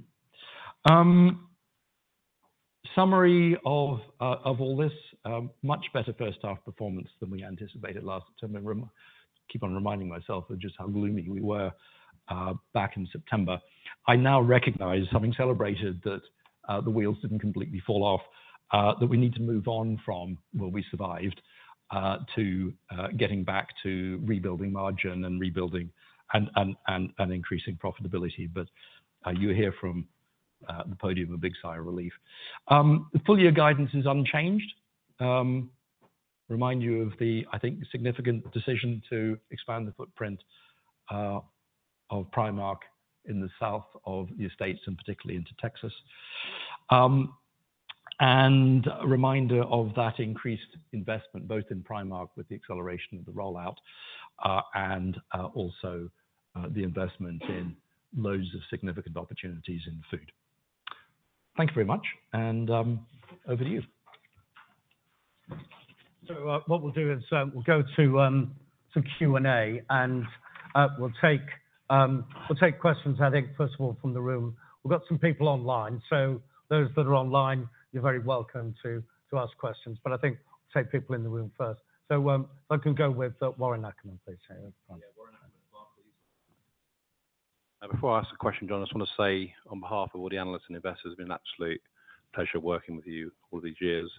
Summary of all this, much better first half performance than we anticipated last September. Keep on reminding myself of just how gloomy we were back in September. I now recognize, having celebrated that the wheels didn't completely fall off, that we need to move on from, well, we survived, to getting back to rebuilding margin and rebuilding and increasing profitability. You hear from the podium a big sigh of relief. The full year guidance is unchanged. Remind you of the, I think, significant decision to expand the footprint of Primark in the south of the States and particularly into Texas. A reminder of that increased investment, both in Primark with the acceleration of the rollout, and also, the investment in loads of significant opportunities in food. Thank you very much. Over to you. What we'll do is, we'll go to Q&A, and we'll take questions, I think, first of all, from the room. We've got some people online. Those that are online, you're very welcome to ask questions. I think take people in the room first. If I can go with Warren Ackerman, please. Yeah, Warren Ackerman as well, please. Before I ask a question, John, I just wanna say on behalf of all the analysts and investors, it's been an absolute pleasure working with you all these years.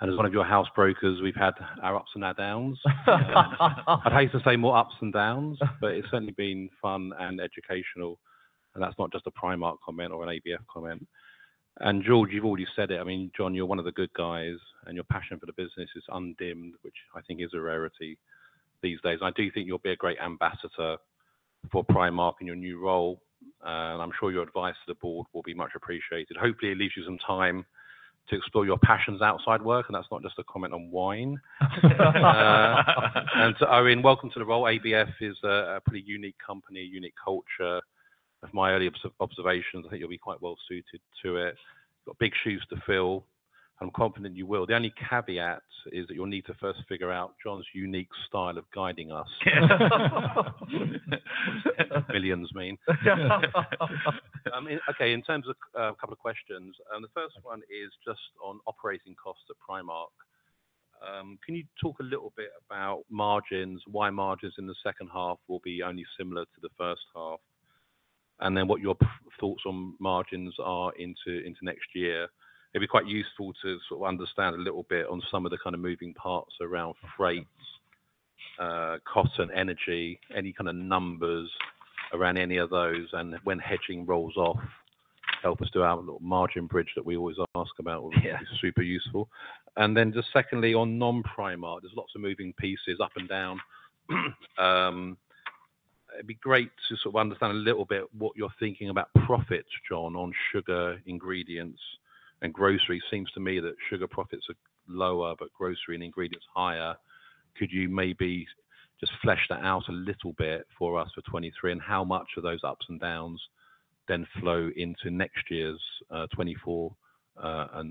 As one of your house brokers, we've had our ups and our downs. I'd hate to say more ups than downs. It's certainly been fun and educational. That's not just a Primark comment or an ABF comment. George, you've already said it. I mean, John, you're one of the good guys, and your passion for the business is undimmed, which I think is a rarity these days. I do think you'll be a great ambassador for Primark in your new role, and I'm sure your advice to the board will be much appreciated. Hopefully, it leaves you some time to explore your passions outside work, and that's not just a comment on wine. To Irene, welcome to the role. ABF is a pretty unique company, unique culture. Of my early observations, I think you'll be quite well suited to it. You've got big shoes to fill, and I'm confident you will. The only caveat is that you'll need to first figure out John's unique style of guiding us. Billions mean. I mean, okay, in terms of a couple of questions, the first one is just on operating costs at Primark. Can you talk a little bit about margins, why margins in the second half will be only similar to the first half, and then what your thoughts on margins are into next year? It'd be quite useful to sort of understand a little bit on some of the kind of moving parts around freight, cost and energy, any kind of numbers around any of those and when hedging rolls off. Help us do our little margin bridge that we always ask about. Yeah. will be super useful. Then just secondly, on non-Primark, there's lots of moving pieces up and down. It'd be great to sort of understand a little bit what you're thinking about profits, John, on sugar, ingredients, and grocery. Seems to me that sugar profits are lower, but grocery and ingredients higher Could you maybe just flesh that out a little bit for us for 2023 and how much of those ups and downs then flow into next year's 2024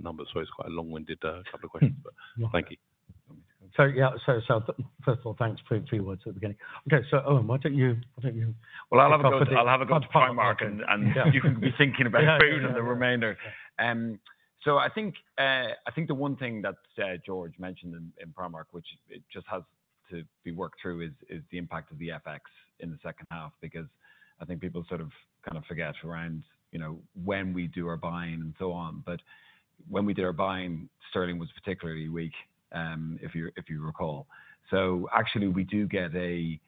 numbers? It's quite a long-winded couple of questions, but thank you. Yeah. First of all, thanks for your few words at the beginning. Okay. Eoin, why don't you. Well, I'll have a go to Primark, and you can be thinking about food and the remainder. I think the one thing that George mentioned in Primark, which it just has to be worked through, is the impact of the FX in the second half. I think people sort of, kind of forget around, you know, when we do our buying and so on. When we did our buying, sterling was particularly weak, if you recall. Actually we do get a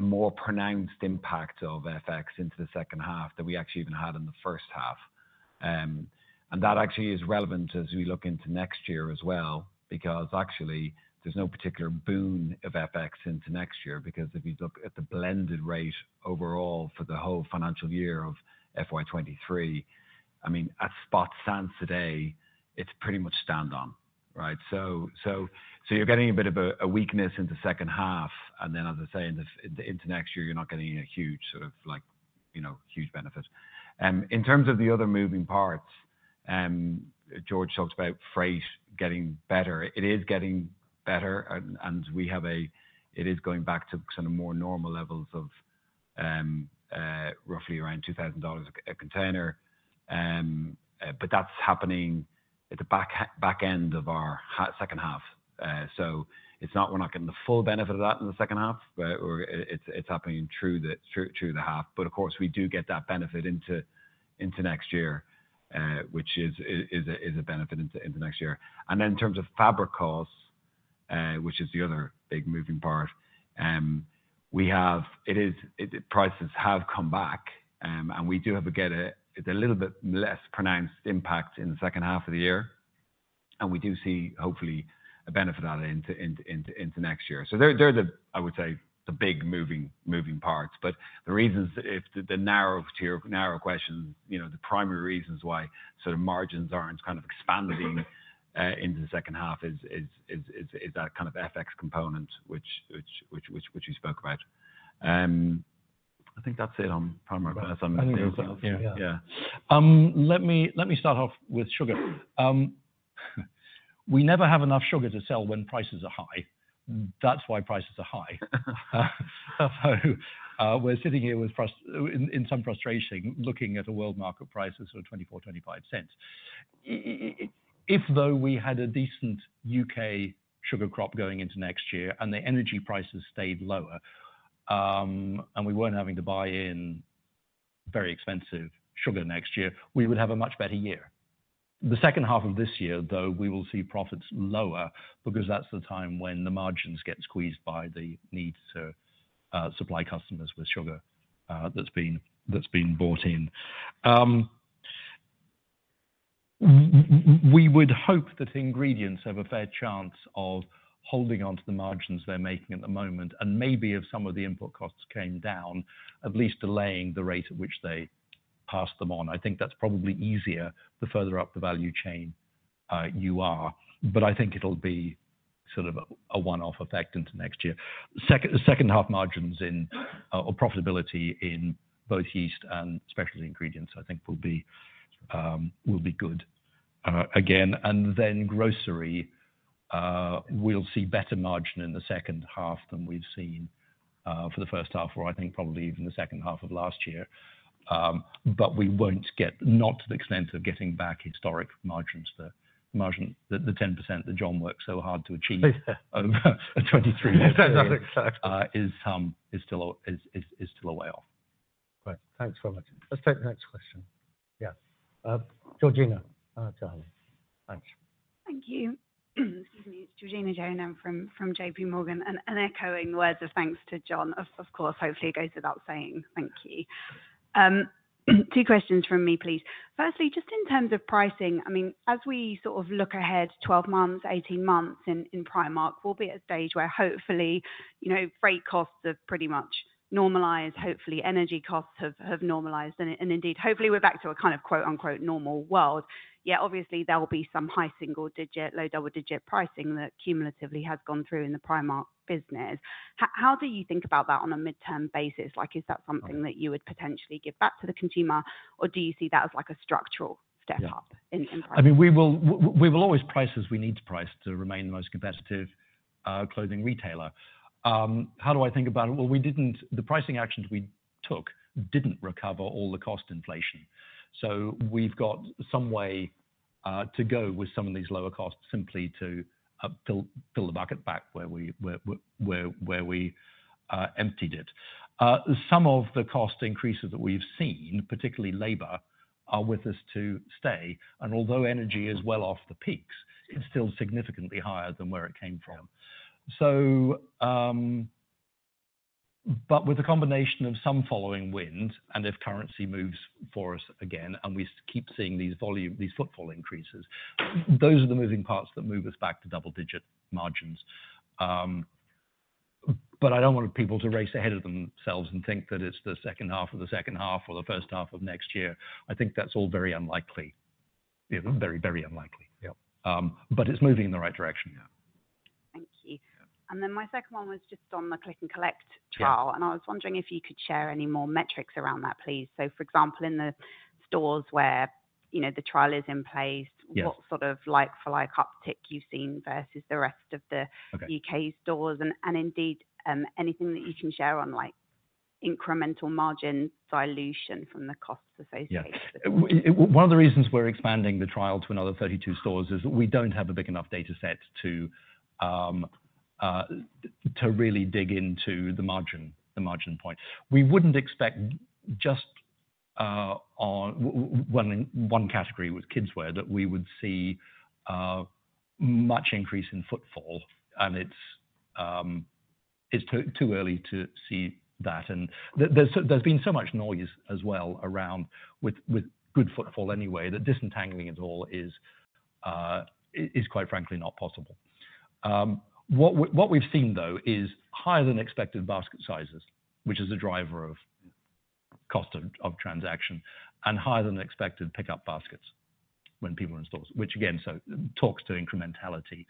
more pronounced impact of FX into the second half than we actually even had in the first half. That actually is relevant as we look into next year as well, because actually there's no particular boon of FX into next year. If you look at the blended rate overall for the whole financial year of FY 23, I mean, as spot stands today, it's pretty much stand on. Right? You're getting a bit of a weakness in the second half, as I say, into next year, you're not getting a huge sort of like, you know, huge benefit. In terms of the other moving parts, George talks about freight getting better. It is getting better and it is going back to sort of more normal levels of roughly around $2,000 a container. That's happening at the back end of our second half. It's not we're not getting the full benefit of that in the second half, but it's happening through the half. Of course, we do get that benefit into next year, which is a benefit into next year. Then in terms of fabric costs, which is the other big moving part, prices have come back, and we do have to get a little bit less pronounced impact in the second half of the year. We do see hopefully a benefit out of it into next year. They're the, I would say, the big moving parts. The reasons if the narrow question, you know, the primary reasons why sort of margins aren't kind of expanding into the second half is that kind of FX component, which you spoke about. I think that's it on Primark. I think that's it. Yeah. Yeah. Let me start off with sugar. We never have enough sugar to sell when prices are high. That's why prices are high. We're sitting here with in some frustration, looking at the world market prices of $0.24-$0.25. If though we had a decent UK sugar crop going into next year and the energy prices stayed lower, and we weren't having to buy in very expensive sugar next year, we would have a much better year. The second half of this year, though, we will see profits lower because that's the time when the margins get squeezed by the need to supply customers with sugar that's been bought in. We would hope that ingredients have a fair chance of holding onto the margins they're making at the moment, and maybe if some of the input costs came down, at least delaying the rate at which they pass them on. I think that's probably easier the further up the value chain you are. I think it'll be sort of a one-off effect into next year. Second half margins in or profitability in both yeast and specialty ingredients I think will be good again. Grocery, we'll see better margin in the second half than we've seen for the first half or I think probably even the second half of last year. We won't get not to the extent of getting back historic margins. The 10% that John worked so hard to achieve over a 23-year period. That's exactly. is still a way off. Great. Thanks very much. Let's take the next question. Yeah. Georgina, go ahead. Thanks. Thank you. Excuse me. It's Georgina Jones. I'm from JPMorgan. Echoing words of thanks to John, of course, hopefully it goes without saying thank you. Two questions from me, please. Firstly, just in terms of pricing, I mean, as we sort of look ahead 12 months, 18 months in Primark, we'll be at a stage where hopefully, you know, freight costs have pretty much normalized. Hopefully, energy costs have normalized and indeed, hopefully we're back to a kind of quote-unquote "normal world." Yet obviously there will be some high single-digit, low double-digit pricing that cumulatively has gone through in the Primark business. How do you think about that on a midterm basis? Like, is that something that you would potentially give back to the consumer, or do you see that as like a structural step up in pricing? I mean, we will always price as we need to price to remain the most competitive clothing retailer. How do I think about it? Well, the pricing actions we took didn't recover all the cost inflation. We've got some way to go with some of these lower costs simply to fill the bucket back where we emptied it. Some of the cost increases that we've seen, particularly labor, are with us to stay. Although energy is well off the peaks, it's still significantly higher than where it came from. With the combination of some following wind and if currency moves for us again and we keep seeing these volume, these footfall increases, those are the moving parts that move us back to double digit margins. I don't want people to race ahead of themselves and think that it's the second half of the second half or the first half of next year. I think that's all very unlikely. You know, very, very unlikely. Yeah. It's moving in the right direction, yeah. Thank you. Yeah. My second one was just on the Click and Collect trial. Yeah. I was wondering if you could share any more metrics around that, please. For example, in the stores where, you know, the trial is in place. Yeah What sort of like-for-like uptick you've seen versus the rest of... Okay UK stores and indeed, anything that you can share on, like, incremental margin dilution from the costs associated. Yeah. One of the reasons we're expanding the trial to another 32 stores is we don't have a big enough data set to really dig into the margin, the margin point. We wouldn't expect just on one category with kids wear that we would see much increase in footfall. It's too early to see that. There's been so much noise as well around with good footfall anyway, that disentangling it all is quite frankly not possible. What we've seen though is higher than expected basket sizes, which is a driver of cost of transaction, and higher than expected pickup baskets when people are in stores. Which again, so talks to incrementality.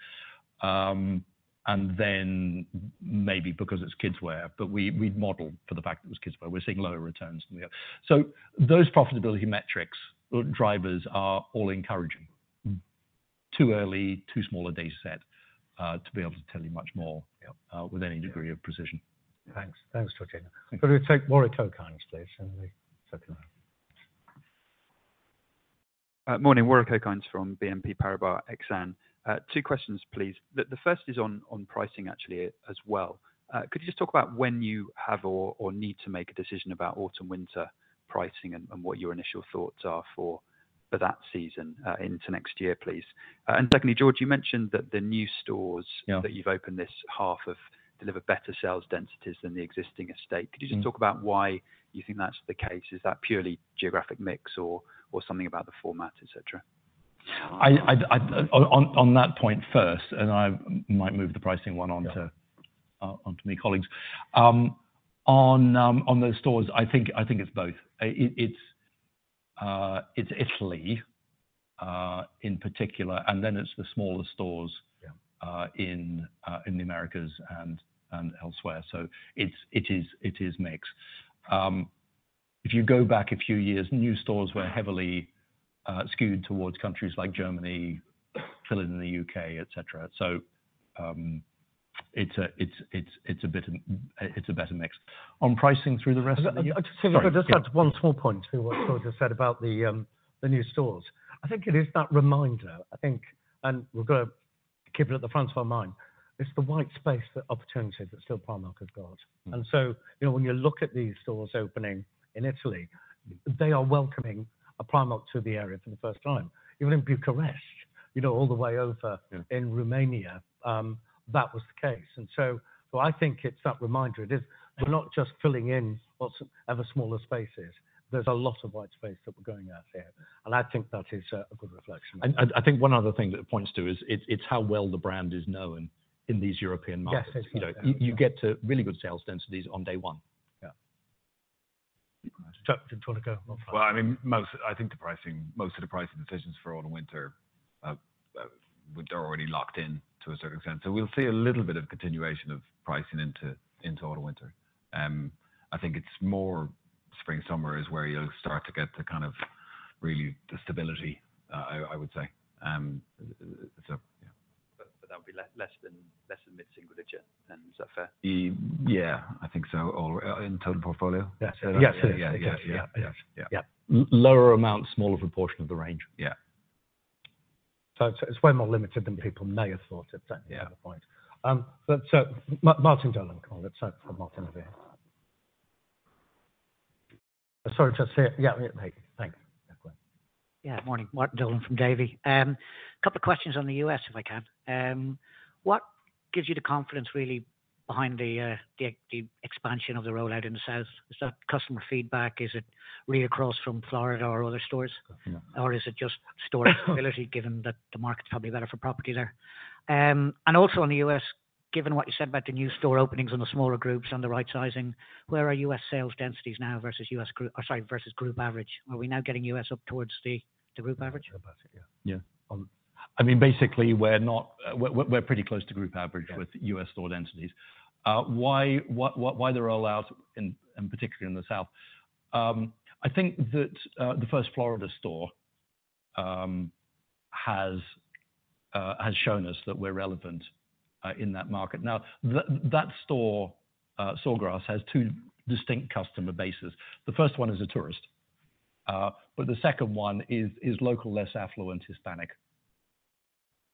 Maybe because it's kids wear, but we'd modeled for the fact that it was kids wear. We're seeing lower returns than we have. Those profitability metrics or drivers are all encouraging. Too early, too small a data set, to be able to tell you much more... Yeah With any degree of precision. Thanks. Thanks, Georgina. Thank you. Could we take Warren Ackerman, please? We circle round. Morning. Warren Ackerman from BNP Paribas Exane. 2 questions, please. The first is on pricing actually as well. Could you just talk about when you have or need to make a decision about Autumn/Winter pricing and what your initial thoughts are for that season, into next year, please? Secondly, George, you mentioned that the new stores. Yeah That you've opened this half have delivered better sales densities than the existing estate. Mm-hmm. Could you just talk about why you think that's the case? Is that purely geographic mix or something about the format, et cetera? I on that point first, and I might move the pricing one on. Yeah On to me colleagues. On those stores, I think it's both. It's Italy, in particular, and then it's the smaller stores. Yeah in the Americas and elsewhere. It is mixed. If you go back a few years, new stores were heavily skewed towards countries like Germany, Finland, the U.K., et cetera. It's a bit of a better mix. On pricing through the rest of the. If I could just add one small point to what George has said about the new stores. I think it is that reminder, I think, we've got to keep it at the front of our mind. It's the white space for opportunities that still Primark has got. Mm. you know, when you look at these stores opening in Italy, they are welcoming a Primark to the area for the first time. Even in Bucharest, you know. Yeah In Romania, that was the case. I think it's that reminder. It is we're not just filling in lots of ever smaller spaces. There's a lot of white space that we're going after, and I think that is a good reflection. I think one other thing that it points to is it's how well the brand is known in these European markets. Yes, it's that. Yeah. You know, you get to really good sales densities on day one. Yeah. You wanted to. Do you want to go? I'm fine. Well, I mean, I think the pricing, most of the pricing decisions for autumn winter, they're already locked in to a certain extent. We'll see a little bit of continuation of pricing into autumn winter. I think it's more spring/summer is where you'll start to get the kind of really the stability, I would say. Yeah. That would be less than mid-single digit then. Is that fair? Yeah, I think so. In total portfolio? Yes. Yeah. Yes. Yeah. Yeah. Lower amount, smaller proportion of the range. Yeah. It's way more limited than people may have thought at that kind of point. Yeah. Martin Dolan. Come on, let's hope for Martin over here. Sorry to say it. Yeah, thanks. Morning. Martin Dolan from Davy. A couple of questions on the US, if I can. What gives you the confidence really behind the expansion of the rollout in the South? Is that customer feedback? Is it read across from Florida or other stores? Yeah. Is it just store stability given that the market's probably better for property there? On the U.S., given what you said about the new store openings on the smaller groups on the right-sizing, where are U.S. sales densities now versus U.S. group, or sorry, versus group average? Are we now getting U.S. up towards the group average? Yeah. I mean, basically, we're pretty close to group average. Yeah With U.S. store densities. Why, what, why the rollout in, and particularly in the South? I think that the first Florida store has shown us that we're relevant in that market. Now that store, Sawgrass, has two distinct customer bases. The first one is a tourist, but the second one is local, less affluent Hispanic.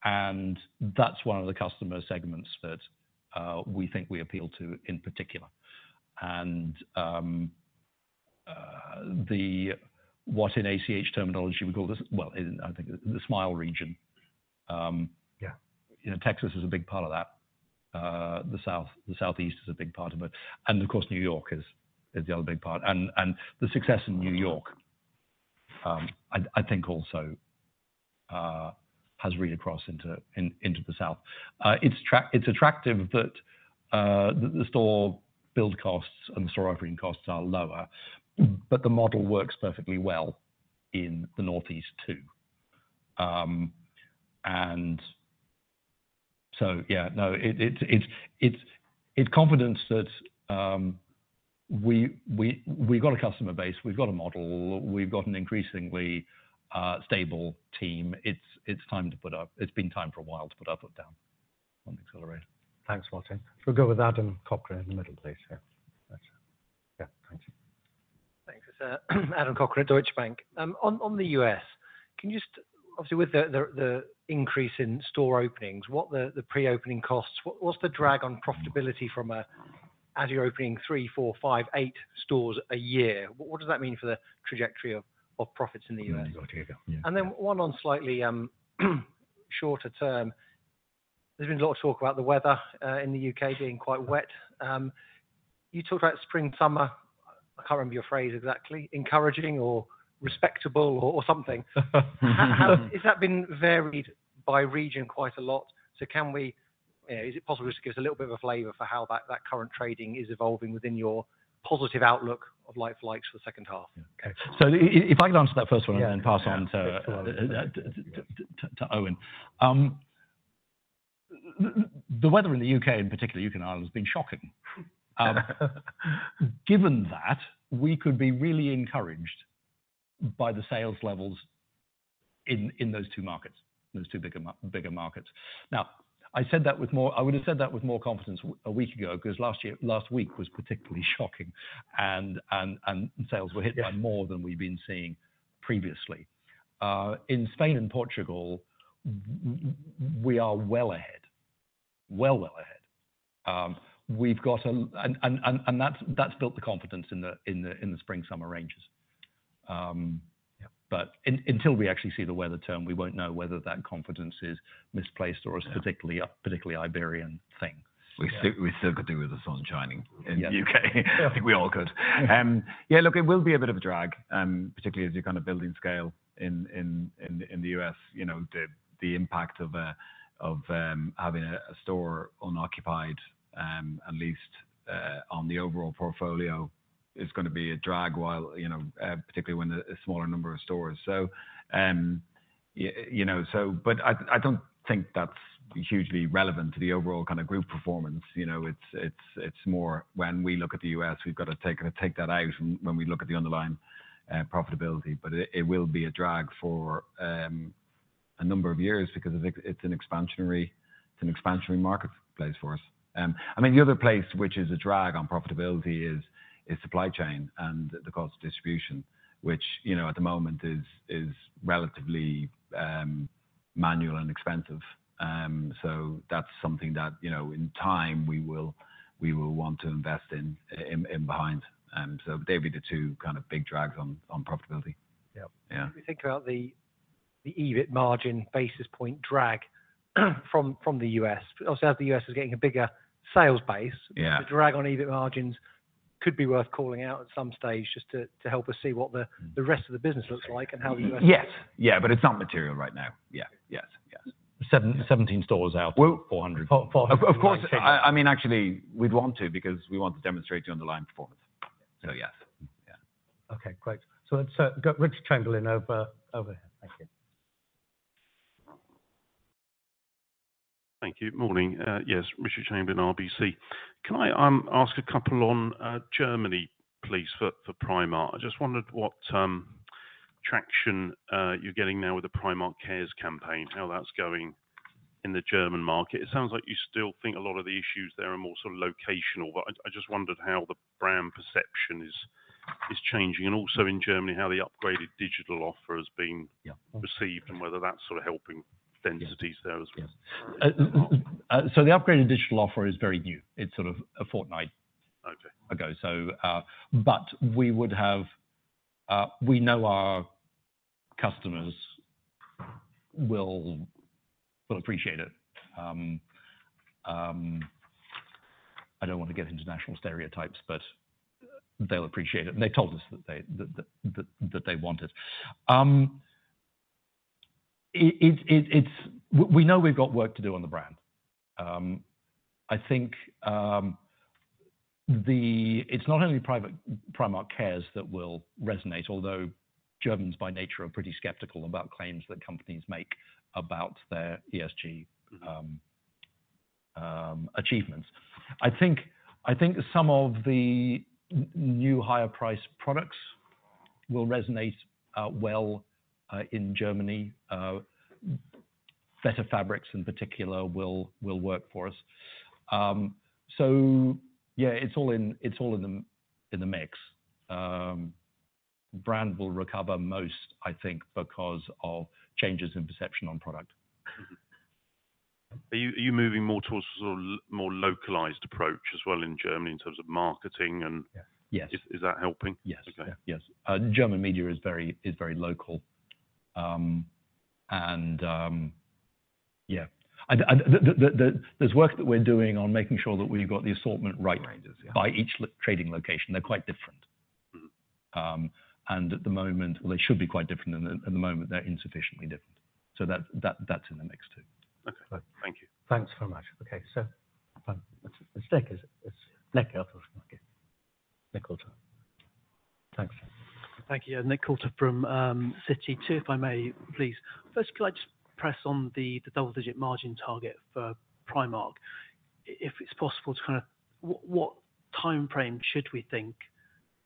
That's one of the customer segments that we think we appeal to in particular. The, what in ACH terminology we call this, well, in I think the Smile region. Yeah You know, Texas is a big part of that. The South, the Southeast is a big part of it. Of course, New York is the other big part. The success in New York, I think also, has read across into the south. It's attractive that the store build costs and the store opening costs are lower, but the model works perfectly well in the Northeast too. Yeah, no, it's confidence that we've got a customer base, we've got a model, we've got an increasingly stable team. It's been time for a while to put our foot down on the accelerator. Thanks, Martin. We'll go with Adam Cochrane in the middle, please. Yeah. That's it. Yeah. Thank you. Thanks. It's Adam Cochrane, Deutsche Bank. On the U.S., obviously with the increase in store openings, what are the pre-opening costs? What's the drag on profitability as you're opening three, four, five, eight stores a year, what does that mean for the trajectory of profits in the U.S.? Mm-hmm. There you go. Yeah. One on slightly shorter term. There's been a lot of talk about the weather in the UK being quite wet. You talked about spring, summer. I can't remember your phrase exactly. Encouraging or respectable or something. Has that been varied by region quite a lot? Can we, you know, is it possible just to give us a little bit of a flavor for how that current trading is evolving within your positive outlook of like-for-likes for the second half? Yeah. Okay. If I can answer that first one and then pass on to. The weather in the UK and particularly UK and Ireland has been shocking. Given that, we could be really encouraged by the sales levels in those two markets, those two bigger markets. I said that with more confidence a week ago, 'cause last week was particularly shocking and sales were hit by more than we've been seeing previously. In Spain and Portugal, we are well ahead. Well ahead. That's built the confidence in the spring, summer ranges. Until we actually see the weather turn, we won't know whether that confidence is misplaced or is particularly, a particularly Iberian thing. Yeah. We still could do with the sun shining in the U.K. Yeah. Definitely. I think we all could. Yeah, look, it will be a bit of a drag, particularly as you're kind of building scale in the U.S., you know, the impact of having a store unoccupied, at least on the overall portfolio is gonna be a drag while, you know, particularly when a smaller number of stores. You know, but I don't think that's hugely relevant to the overall kind of group performance. You know, it's more when we look at the U.S., we've got to take, kind of take that out when we look at the underlying profitability. But it will be a drag for a number of years because it's an expansionary marketplace for us. The other place which is a drag on profitability is supply chain and the cost of distribution, which at the moment is relatively manual and expensive. That's something that in time we will want to invest in behind. They'd be the two kind of big drags on profitability. Yeah. Yeah. If we think about the EBIT margin basis point drag from the US, obviously as the US is getting a bigger sales base. Yeah The drag on EBIT margins could be worth calling out at some stage just to help us see what the rest of the business looks like and how the US-... Yes. Yeah. It's not material right now. Yeah. Yes. Yes. 17 stores out of 400. Well, of course. I mean, actually we'd want to because we want to demonstrate the underlying performance. Okay. Yes. Yes. Okay, great. Let's go Richard Chamberlain over here. Thank you. Thank you. Morning. Yes. Richard Chamberlain, RBC. Can I ask a couple on Germany please, for Primark? I just wondered what traction you're getting now with the Primark Cares campaign, how that's going in the German market. It sounds like you still think a lot of the issues there are more sort of locational, but I just wondered how the brand perception is changing and also in Germany, how the upgraded digital offer is being Yeah Received and whether that's sort of helping densities there as well. Yes. The upgraded digital offer is very new. It's sort of a fortnight- Okay Ago. We know our customers will appreciate it. I don't want to get into national stereotypes, they'll appreciate it, and they told us that they want it. We know we've got work to do on the brand. I think it's not only private Primark Cares that will resonate, although Germans by nature are pretty skeptical about claims that companies make about their ESG achievements. I think some of the new higher priced products will resonate well in Germany. Better fabrics in particular will work for us. Yeah, it's all in the mix. Brand will recover most, I think, because of changes in perception on product. Mm-hmm. Are you moving more towards a sort of more localized approach as well in Germany in terms of marketing? Yes. Yes. Is that helping? Yes. Okay. Yes. German media is very, is very local. There's work that we're doing on making sure that we've got the assortment right by each trading location. They're quite different. Mm-hmm. At the moment, well, they should be quite different. At the moment, they're insufficiently different. That's in the mix too. Okay. Thank you. Thanks very much. Okay, it's Nick, is it? It's Nick Coulter. Okay. Nick Coulter. Thanks. Thank you. Nick Coulter from Citigroup, if I may, please. First, could I just press on the double-digit margin target for Primark? If it's possible to what timeframe should we think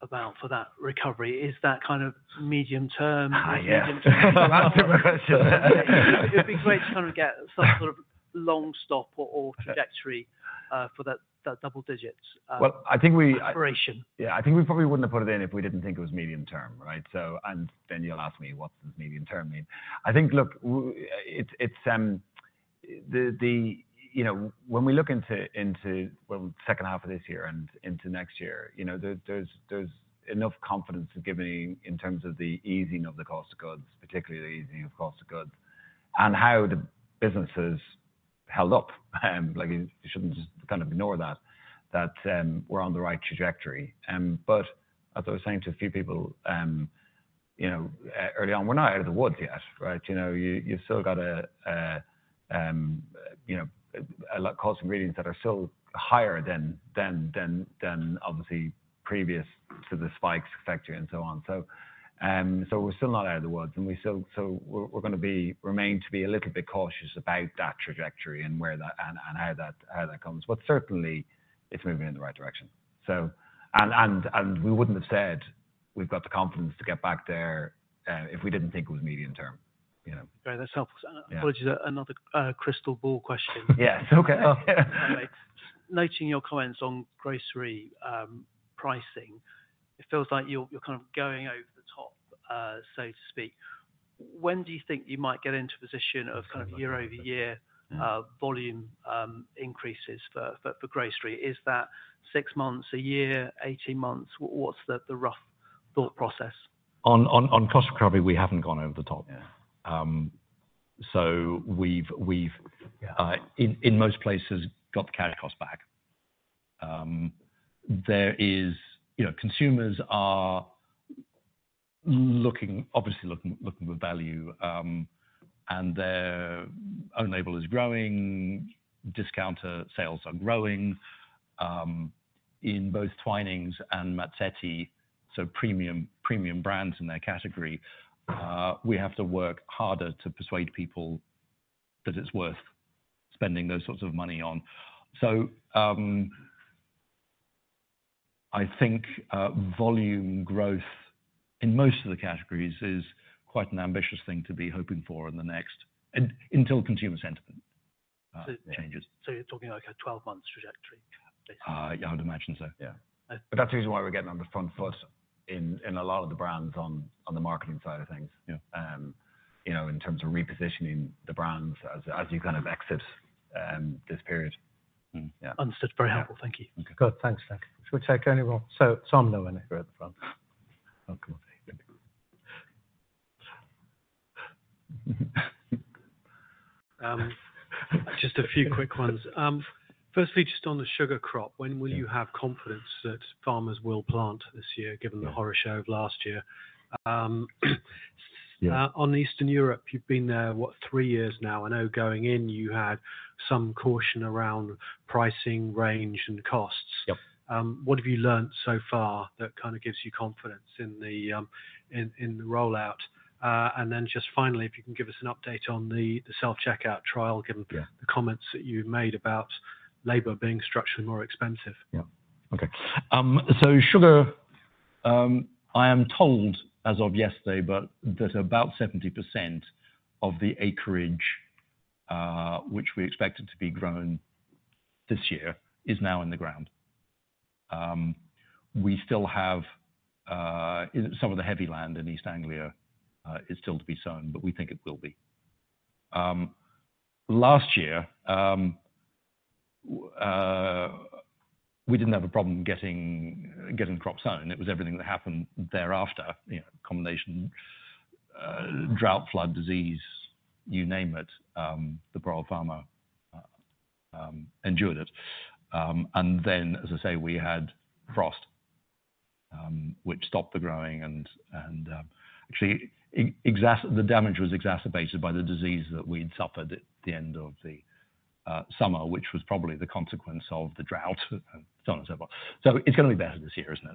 about for that recovery? Is that kind of medium term? Yeah. It'd be great to kind of get some sort of long stop or trajectory for that double digits. Well, I think. Aspiration. I think we probably wouldn't have put it in if we didn't think it was medium term, right? Then you'll ask me, what does medium term mean? I think, look, it's, the, you know, when we look into, well, the second half of this year and into next year, you know, there's, there's enough confidence to give me in terms of the easing of the cost of goods, particularly the easing of cost of goods and how the business has held up. Like, you shouldn't just kind of ignore that, we're on the right trajectory. As I was saying to a few people, you know, early on, we're not out of the woods yet, right? You know, you've still got a, you know, a lot cost of ingredients that are still higher than obviously previous to the spikes effect and so on. We're still not out of the woods, and we're gonna be remain to be a little bit cautious about that trajectory and where that and how that comes. Certainly, it's moving in the right direction. We wouldn't have said we've got the confidence to get back there, if we didn't think it was medium term, you know. Great. That's helpful. Yeah. Apologies, another, crystal ball question. Yes. Okay. Noting your comments on grocery, pricing, it feels like you're kind of going over the top, so to speak. When do you think you might get into a position of kind of year-over-year, volume, increases for grocery? Is that 6 months, 1 year, 18 months? What's the rough thought process? On cost recovery, we haven't gone over the top. Yeah. We've, in most places got the carry cost back. There is, you know, consumers are looking, obviously looking for value, and their own label is growing. Discounter sales are growing, in both Twinings and Mazzetti, so premium brands in their category. We have to work harder to persuade people that it's worth spending those sorts of money on. I think volume growth in most of the categories is quite an ambitious thing to be hoping for in the next until consumer sentiment changes. You're talking like a 12 months trajectory basically? I would imagine so, yeah. That's the reason why we're getting on the front foot in a lot of the brands on the marketing side of things. Yeah. You know, in terms of repositioning the brands as you kind of exit, this period. Understood. Very helpful. Thank you. Okay. Good. Thanks, Nick. Should we take anyone? Samuel here at the front. Oh, come on. Just a few quick ones. Firstly, just on the sugar crop, when will you have confidence that farmers will plant this year, given the horror show of last year? On Eastern Europe, you've been there, what? Three years now. I know going in you had some caution around pricing range and costs. Yep. What have you learned so far that kind of gives you confidence in the rollout? If you can give us an update on the self-checkout trial, given the comments that you made about labor being structurally more expensive? Yeah. Okay. Sugar, I am told as of yesterday, that about 70% of the acreage, which we expected to be grown this year is now in the ground. We still have some of the heavy land in East Anglia is still to be sown, but we think it will be. Last year, we didn't have a problem getting crops sown. It was everything that happened thereafter. You know, a combination, drought, flood, disease, you name it, the poor old farmer endured it. As I say, we had frost, which stopped the growing and actually the damage was exacerbated by the disease that we'd suffered at the end of the summer, which was probably the consequence of the drought and so on and so forth. It's gonna be better this year, isn't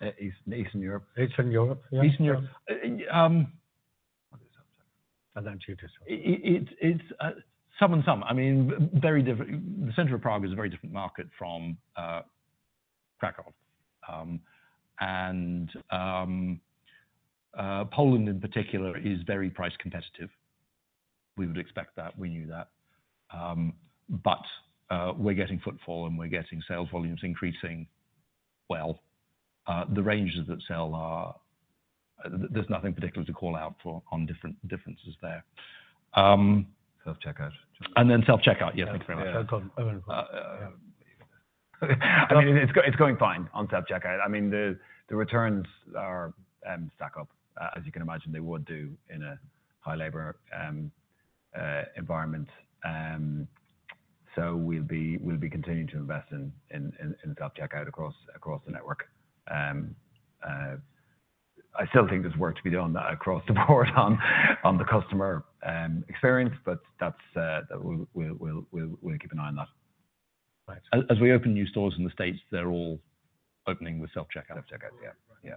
it? East, Eastern Europe. Eastern Europe. Yeah. Eastern Europe. It's some and some. I mean, very different. The center of Prague is a very different market from Krakow. Poland in particular is very price competitive. We would expect that. We knew that. We're getting footfall, and we're getting sales volumes increasing well. The ranges that sell are... There's nothing particular to call out for on different differences there. Self-checkout. Self-checkout. Yes. Thanks very much. Go on. I mean, it's going fine on self-checkout. I mean, the returns are stack up. As you can imagine, they would do in a high labor environment. We'll be continuing to invest in self-checkout across the network. I still think there's work to be done across the board on the customer experience, but that's we'll keep an eye on that. Thanks. As we open new stores in the States, they're all opening with self-checkout. Self-checkout. Yeah. Yeah.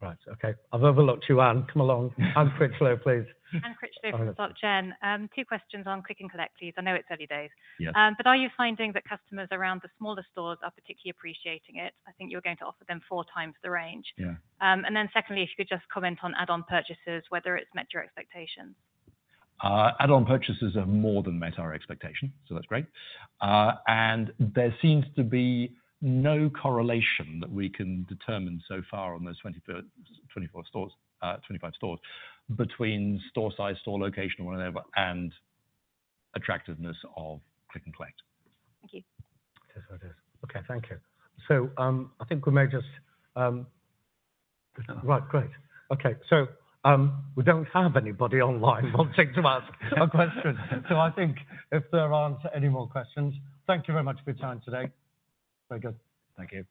Right. Okay. I've overlooked you, Anne. Come along. Anne Critchlow, please. Anne Critchlow from Société Générale. Two questions on Click and Collect, please. I know it's early days. Yeah. Are you finding that customers around the smaller stores are particularly appreciating it? I think you're going to offer them four times the range. Yeah. Secondly, if you could just comment on add-on purchases, whether it's met your expectations. Add-on purchases have more than met our expectation, so that's great. There seems to be no correlation that we can determine so far on those 25 stores between store size, store location, whatever, and attractiveness of Click and Collect. Thank you. It is what it is. Okay. Thank you. I think we may just. Right. Great. Okay. We don't have anybody online wanting to ask a question. I think if there aren't any more questions, thank you very much for your time today. Very good. Thank you.